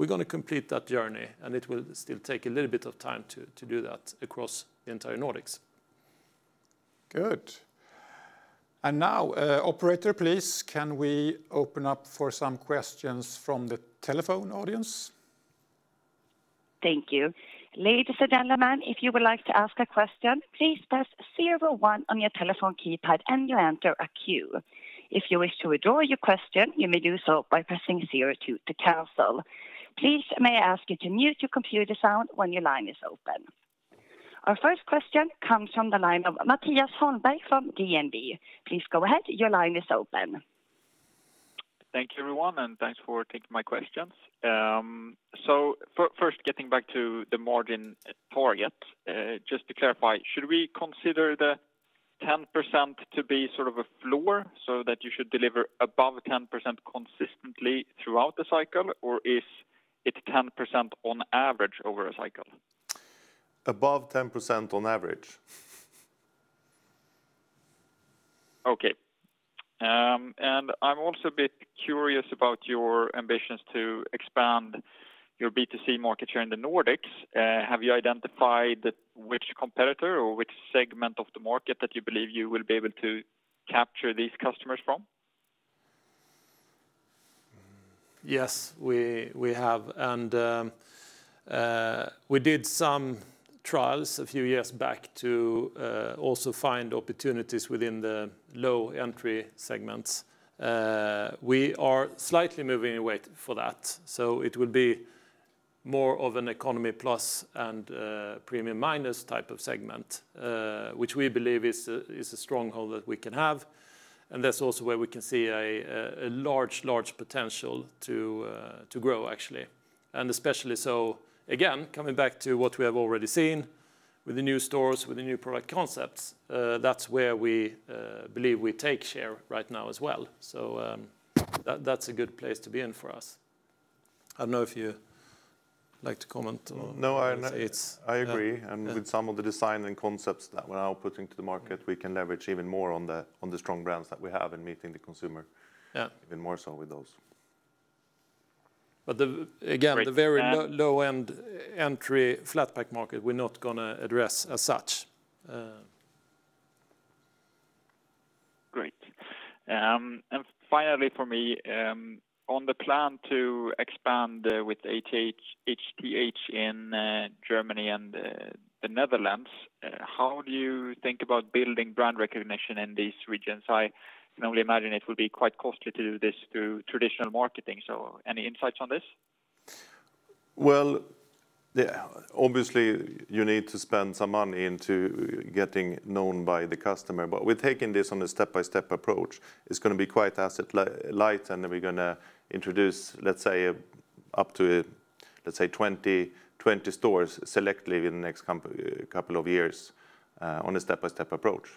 We're going to complete that journey, and it will still take a little bit of time to do that across the entire Nordics. Good. Now, operator, please, can we open up for some questions from the telephone audience? Thank you. Ladies and gentlemen. Our first question comes from the line of Mattias Holmberg from DNB. Please go ahead. Your line is open. Thank you, everyone, and thanks for taking my questions. First, getting back to the margin target, just to clarify, should we consider the 10% to be sort of a floor so that you should deliver above 10% consistently throughout the cycle, or is it 10% on average over a cycle? Above 10% on average. Okay. I'm also a bit curious about your ambitions to expand your B2C market here in the Nordics. Have you identified which competitor or which segment of the market that you believe you will be able to capture these customers from? Yes, we have, and we did some trials a few years back to also find opportunities within the low-entry segments. We are slightly moving away for that. It will be more of an economy plus and premium minus type of segment, which we believe is a stronghold that we can have, and that's also where we can see a large potential to grow, actually. Especially so, again, coming back to what we have already seen with the new stores, with the new product concepts, that's where we believe we take share right now as well. That's a good place to be in for us. I don't know if you'd like to comment or- No. It's- I agree, with some of the design and concepts that we're now putting to the market, we can leverage even more on the strong brands that we have in meeting the consumer. Yeah. Even more so with those. Again, the very low-end entry flat pack market, we're not going to address as such. Great. Finally from me, on the plan to expand with HTH in Germany and the Netherlands, how do you think about building brand recognition in these regions? I can only imagine it will be quite costly to do this through traditional marketing. Any insights on this? Well, obviously you need to spend some money into getting known by the customer, but we're taking this on a step-by-step approach. It's going to be quite asset light, and then we're going to introduce, let's say, up to 20 stores selectively in the next couple of years on a step-by-step approach.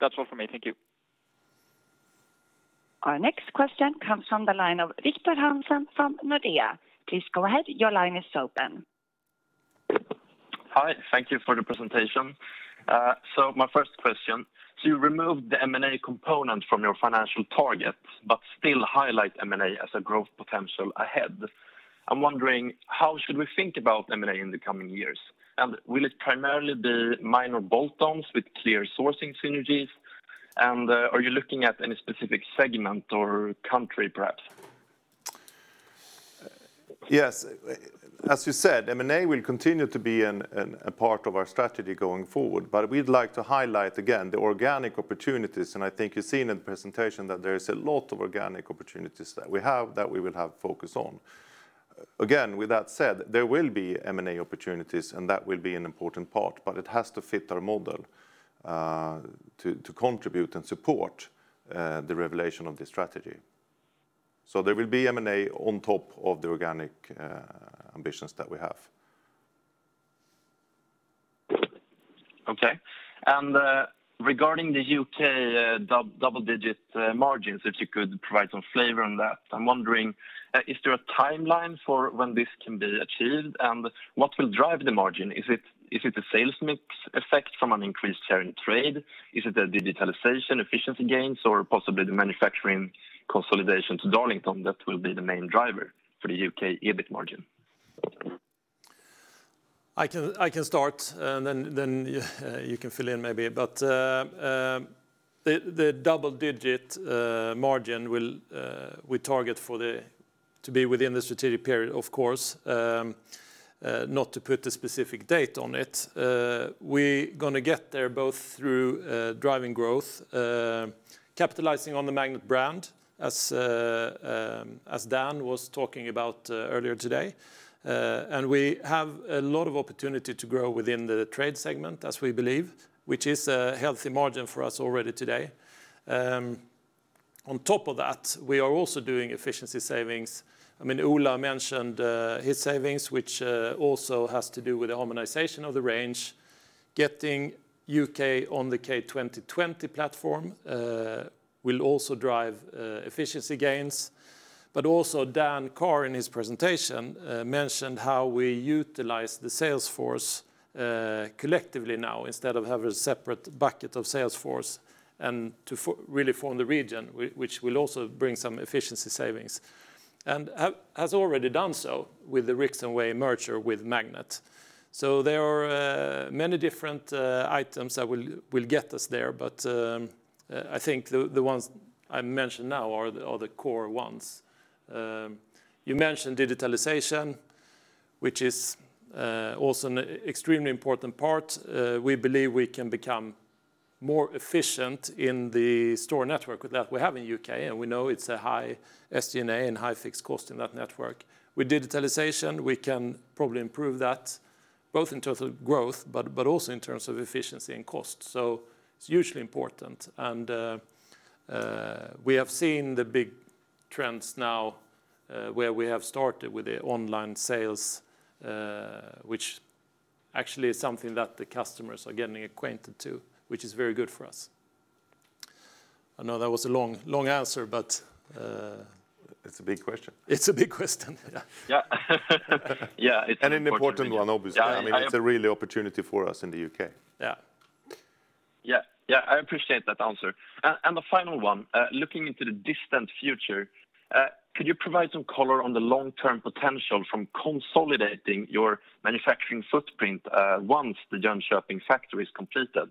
That's all from me. Thank you. Our next question comes from the line of Victor Hansen from Nordea. Please go ahead. Hi. Thank you for the presentation. My first question, so you removed the M&A component from your financial target, but still highlight M&A as a growth potential ahead. I'm wondering how should we think about M&A in the coming years? Will it primarily be minor bolt-ons with clear sourcing synergies? Are you looking at any specific segment or country perhaps? Yes. As you said, M&A will continue to be a part of our strategy going forward, but we'd like to highlight again the organic opportunities, and I think you've seen in the presentation that there is a lot of organic opportunities that we have that we will have focus on. Again, with that said, there will be M&A opportunities, and that will be an important part, but it has to fit our model to contribute and support the realization of this strategy. There will be M&A on top of the organic ambitions that we have. Okay. Regarding the U.K. double-digit margins, if you could provide some flavor on that. I'm wondering, is there a timeline for when this can be achieved, and what will drive the margin? Is it the sales mix effect from an increased share in trade? Is it the digitalization efficiency gains or possibly the manufacturing consolidation to Darlington that will be the main driver for the U.K. EBIT margin? I can start, and then you can fill in maybe. the double-digit margin we target to be within the strategic period, of course, not to put a specific date on it. We're going to get there both through driving growth, capitalizing on the Magnet brand, as Dan was talking about earlier today. we have a lot of opportunity to grow within the trade segment as we believe, which is a healthy margin for us already today. On top of that, we are also doing efficiency savings. Ola mentioned his savings, which also has to do with the harmonization of the range, getting U.K. on the K 2020 platform will also drive efficiency gains. Also Dan Carr in his presentation mentioned how we utilize the sales force collectively now instead of having a separate bucket of sales force and to really form the region, which will also bring some efficiency savings, and has already done so with the Rixonway merger with Magnet. there are many different items that will get us there, but I think the ones I mentioned now are the core ones. You mentioned digitalization, which is also an extremely important part. We believe we can become more efficient in the store network that we have in U.K., and we know it's a high SG&A and high fixed cost in that network. With digitalization, we can probably improve that, both in terms of growth, but also in terms of efficiency and cost. it's hugely important. We have seen the big trends now where we have started with the online sales, which actually is something that the customers are getting acquainted to, which is very good for us. I know that was a long answer, but- It's a big question. It's a big question. Yeah. Yeah, it's an important- An important one, obviously. I mean, it's a real opportunity for us in the U.K. Yeah. Yeah. I appreciate that answer. The final one, looking into the distant future, could you provide some color on the long-term potential from consolidating your manufacturing footprint once the Jönköping factory is completed?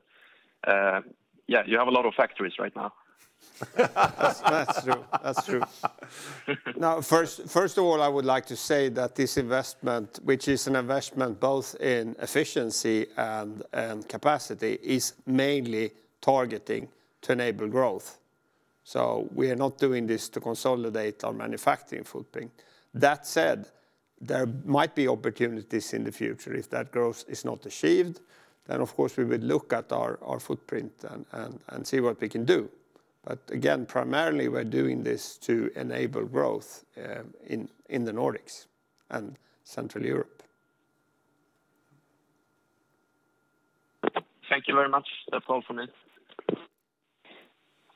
You have a lot of factories right now. That's true. Now, first of all, I would like to say that this investment, which is an investment both in efficiency and capacity, is mainly targeting to enable growth. we are not doing this to consolidate our manufacturing footprint. That said, there might be opportunities in the future if that growth is not achieved, then of course we would look at our footprint and see what we can do. again, primarily we're doing this to enable growth in the Nordics and Central Europe. Thank you very much. That's all from me.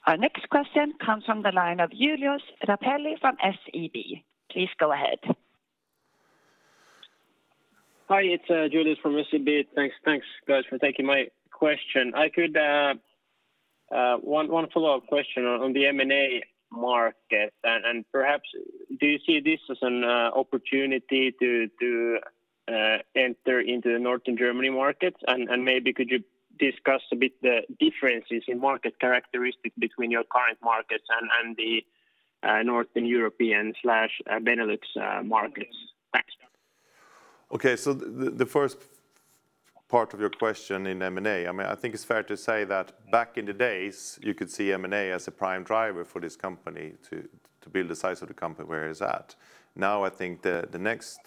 Our next question comes from the line of Julius Rapeli from SEB. Please go ahead. Hi, it's Julius from SEB. Thanks, guys, for taking my question. One follow-up question on the M&A market, and perhaps do you see this as an opportunity to enter into the Northern Germany market? Maybe could you discuss a bit the differences in market characteristics between your current markets and the Northern European/Benelux markets? Thanks. Okay, the first part of your question in M&A, I think it's fair to say that back in the days, you could see M&A as a prime driver for this company to build the size of the company where it's at- Now, I think the next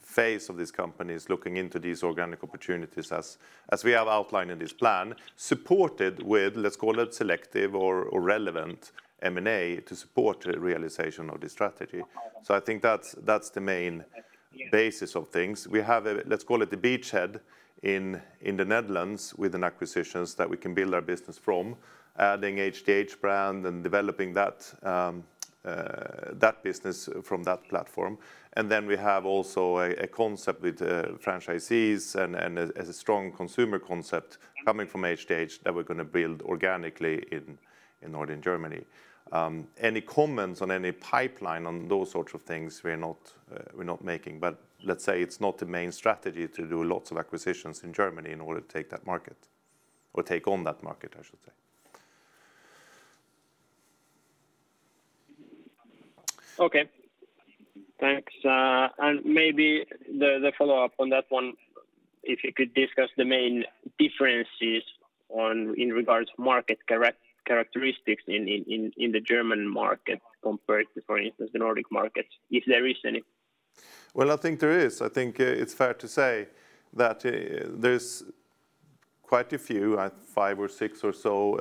phase of this company is looking into these organic opportunities as we have outlined in this plan, supported with, let's call it selective or relevant M&A to support realization of this strategy. I think that's the main basis of things. We have, let's call it, the beachhead in the Netherlands with an acquisitions that we can build our business from, adding HTH brand and developing that business from that platform. We have also a concept with franchisees and as a strong consumer concept coming from HTH that we're going to build organically in Northern Germany. Any comments on any pipeline on those sorts of things, we're not making, but let's say it's not the main strategy to do lots of acquisitions in Germany in order to take that market or take on that market, I should say. Okay. Thanks. Maybe the follow-up on that one, if you could discuss the main differences in regards to market characteristics in the German market compared to, for instance, the Nordic markets, if there is any? Well, I think there is. I think it's fair to say that there's quite a few, five or six or so,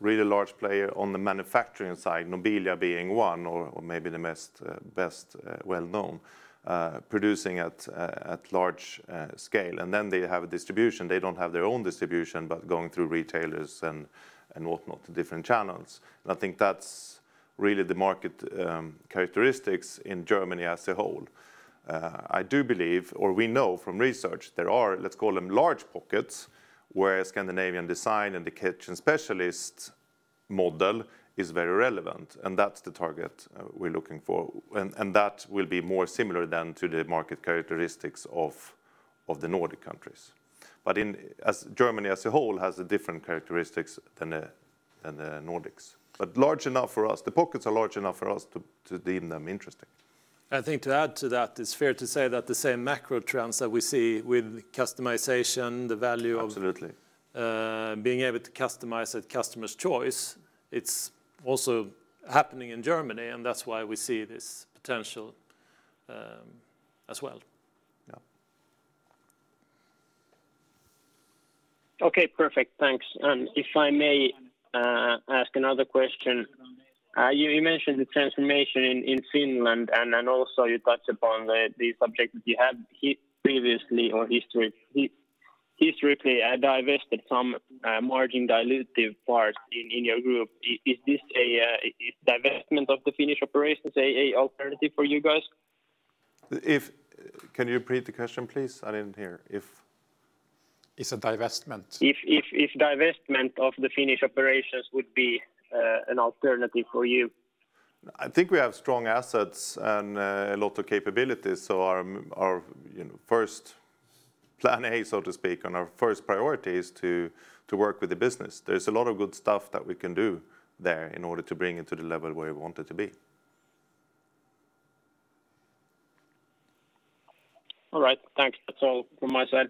really large player on the manufacturing side, Nobilia being one or maybe the best well-known producing at large scale. Then they have a distribution. They don't have their own distribution, but going through retailers and whatnot to different channels. I think that's really the market characteristics in Germany as a whole. I do believe, or we know from research, there are, let's call them large pockets, where Scandinavian design and the kitchen specialist model is very relevant, and that's the target we're looking for. That will be more similar than to the market characteristics of the Nordic countries. Germany as a whole has a different characteristics than the Nordics. The pockets are large enough for us to deem them interesting. I think to add to that, it's fair to say that the same macro trends that we see with customization, the value of- Absolutely. -being able to customize at customer's choice, it's also happening in Germany, and that's why we see this potential as well. Yeah. Okay, perfect. Thanks. If I may ask another question. You mentioned the transformation in Finland, and then also you touched upon the subject that you had previously or historically divested some margin dilutive parts in your group. Is divestment of the Finnish operations an alternative for you guys? Can you repeat the question, please? I didn't hear. If Is a divestment. If divestment of the Finnish operations would be an alternative for you. I think we have strong assets and a lot of capabilities. Our first plan A, so to speak, and our first priority is to work with the business. There's a lot of good stuff that we can do there in order to bring it to the level where we want it to be. All right. Thanks. That's all from my side.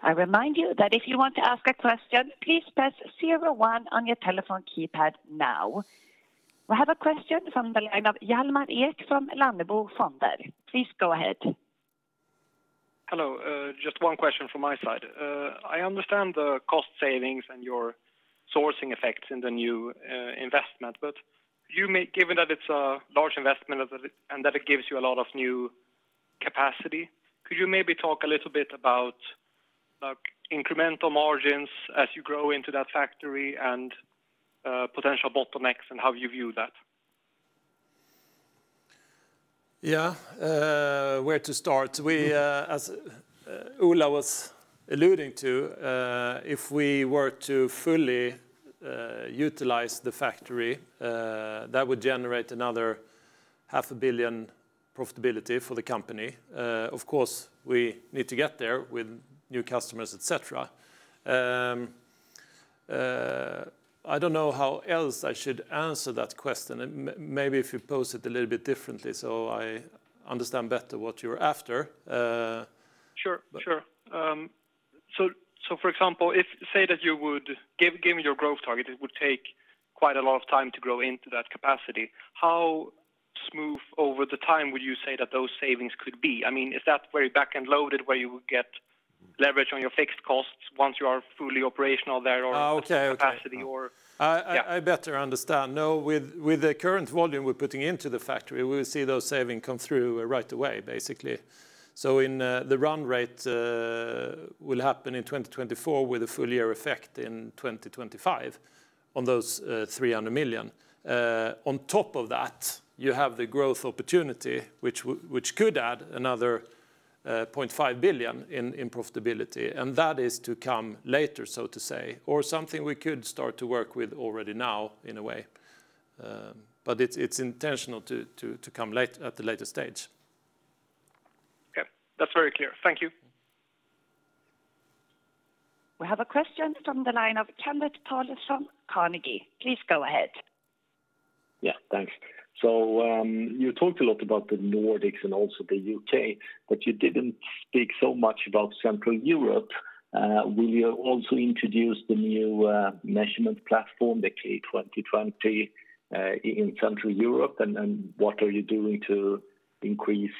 We have a question from the line of Hjalmar Ek from Lannebo Fonder. Please go ahead. Hello. Just one question from my side. I understand the cost savings and your sourcing effects in the new investment, but given that it's a large investment and that it gives you a lot of new capacity, could you maybe talk a little bit about incremental margins as you grow into that factory and potential bottlenecks and how you view that? Yeah. Where to start? As Ola was alluding to, if we were to fully utilize the factory, that would generate another half a billion profitability for the company. Of course, we need to get there with new customers, et cetera. I don't know how else I should answer that question. Maybe if you pose it a little bit differently so I understand better what you're after. Sure. For example, say that you would give me your growth target, it would take quite a lot of time to grow into that capacity. How smooth over the time would you say that those savings could be? Is that very back-end loaded where you would get leverage on your fixed costs once you are fully operational there or at capacity or? Yeah. Okay. I better understand. No, with the current volume we're putting into the factory, we will see those savings come through right away, basically. In the run rate will happen in 2024 with a full year effect in 2025 on those 300 million. On top of that, you have the growth opportunity, which could add another 0.5 billion in profitability, and that is to come later, so to say, or something we could start to work with already now in a way. It's intentional to come at a later stage. Okay. That's very clear. Thank you. We have a question from the line of Kenneth Toll Johansson Carnegie. Please go ahead. Yeah. Thanks. You talked a lot about the Nordics and also the U.K., but you didn't speak so much about Central Europe. Will you also introduce the new measurement platform, the K 2020, in Central Europe? What are you doing to increase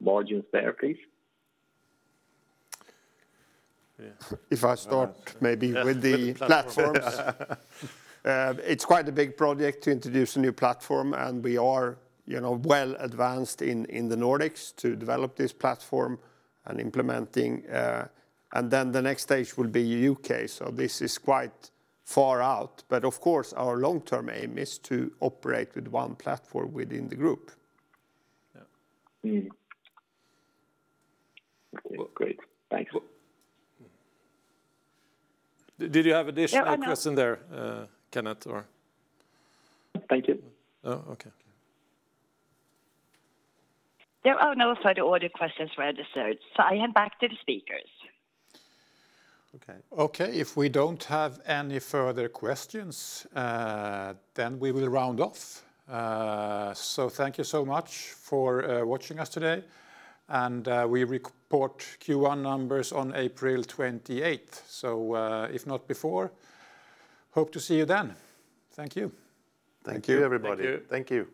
margins there, please? Yeah. If I start maybe with the platforms. It's quite a big project to introduce a new platform, and we are well advanced in the Nordics to develop this platform and implementing. The next stage will be U.K. This is quite far out, but of course our long-term aim is to operate with one platform within the group. Yeah. Okay, great. Thanks. Did you have additional question there, Kenneth, or? Thank you. Oh, okay. There are no further audio questions registered, so I hand back to the speakers. Okay. If we don't have any further questions, then we will round off. Thank you so much for watching us today, and we report Q1 numbers on April 28th. If not before, hope to see you then. Thank you. Thank you, everybody. Thank you.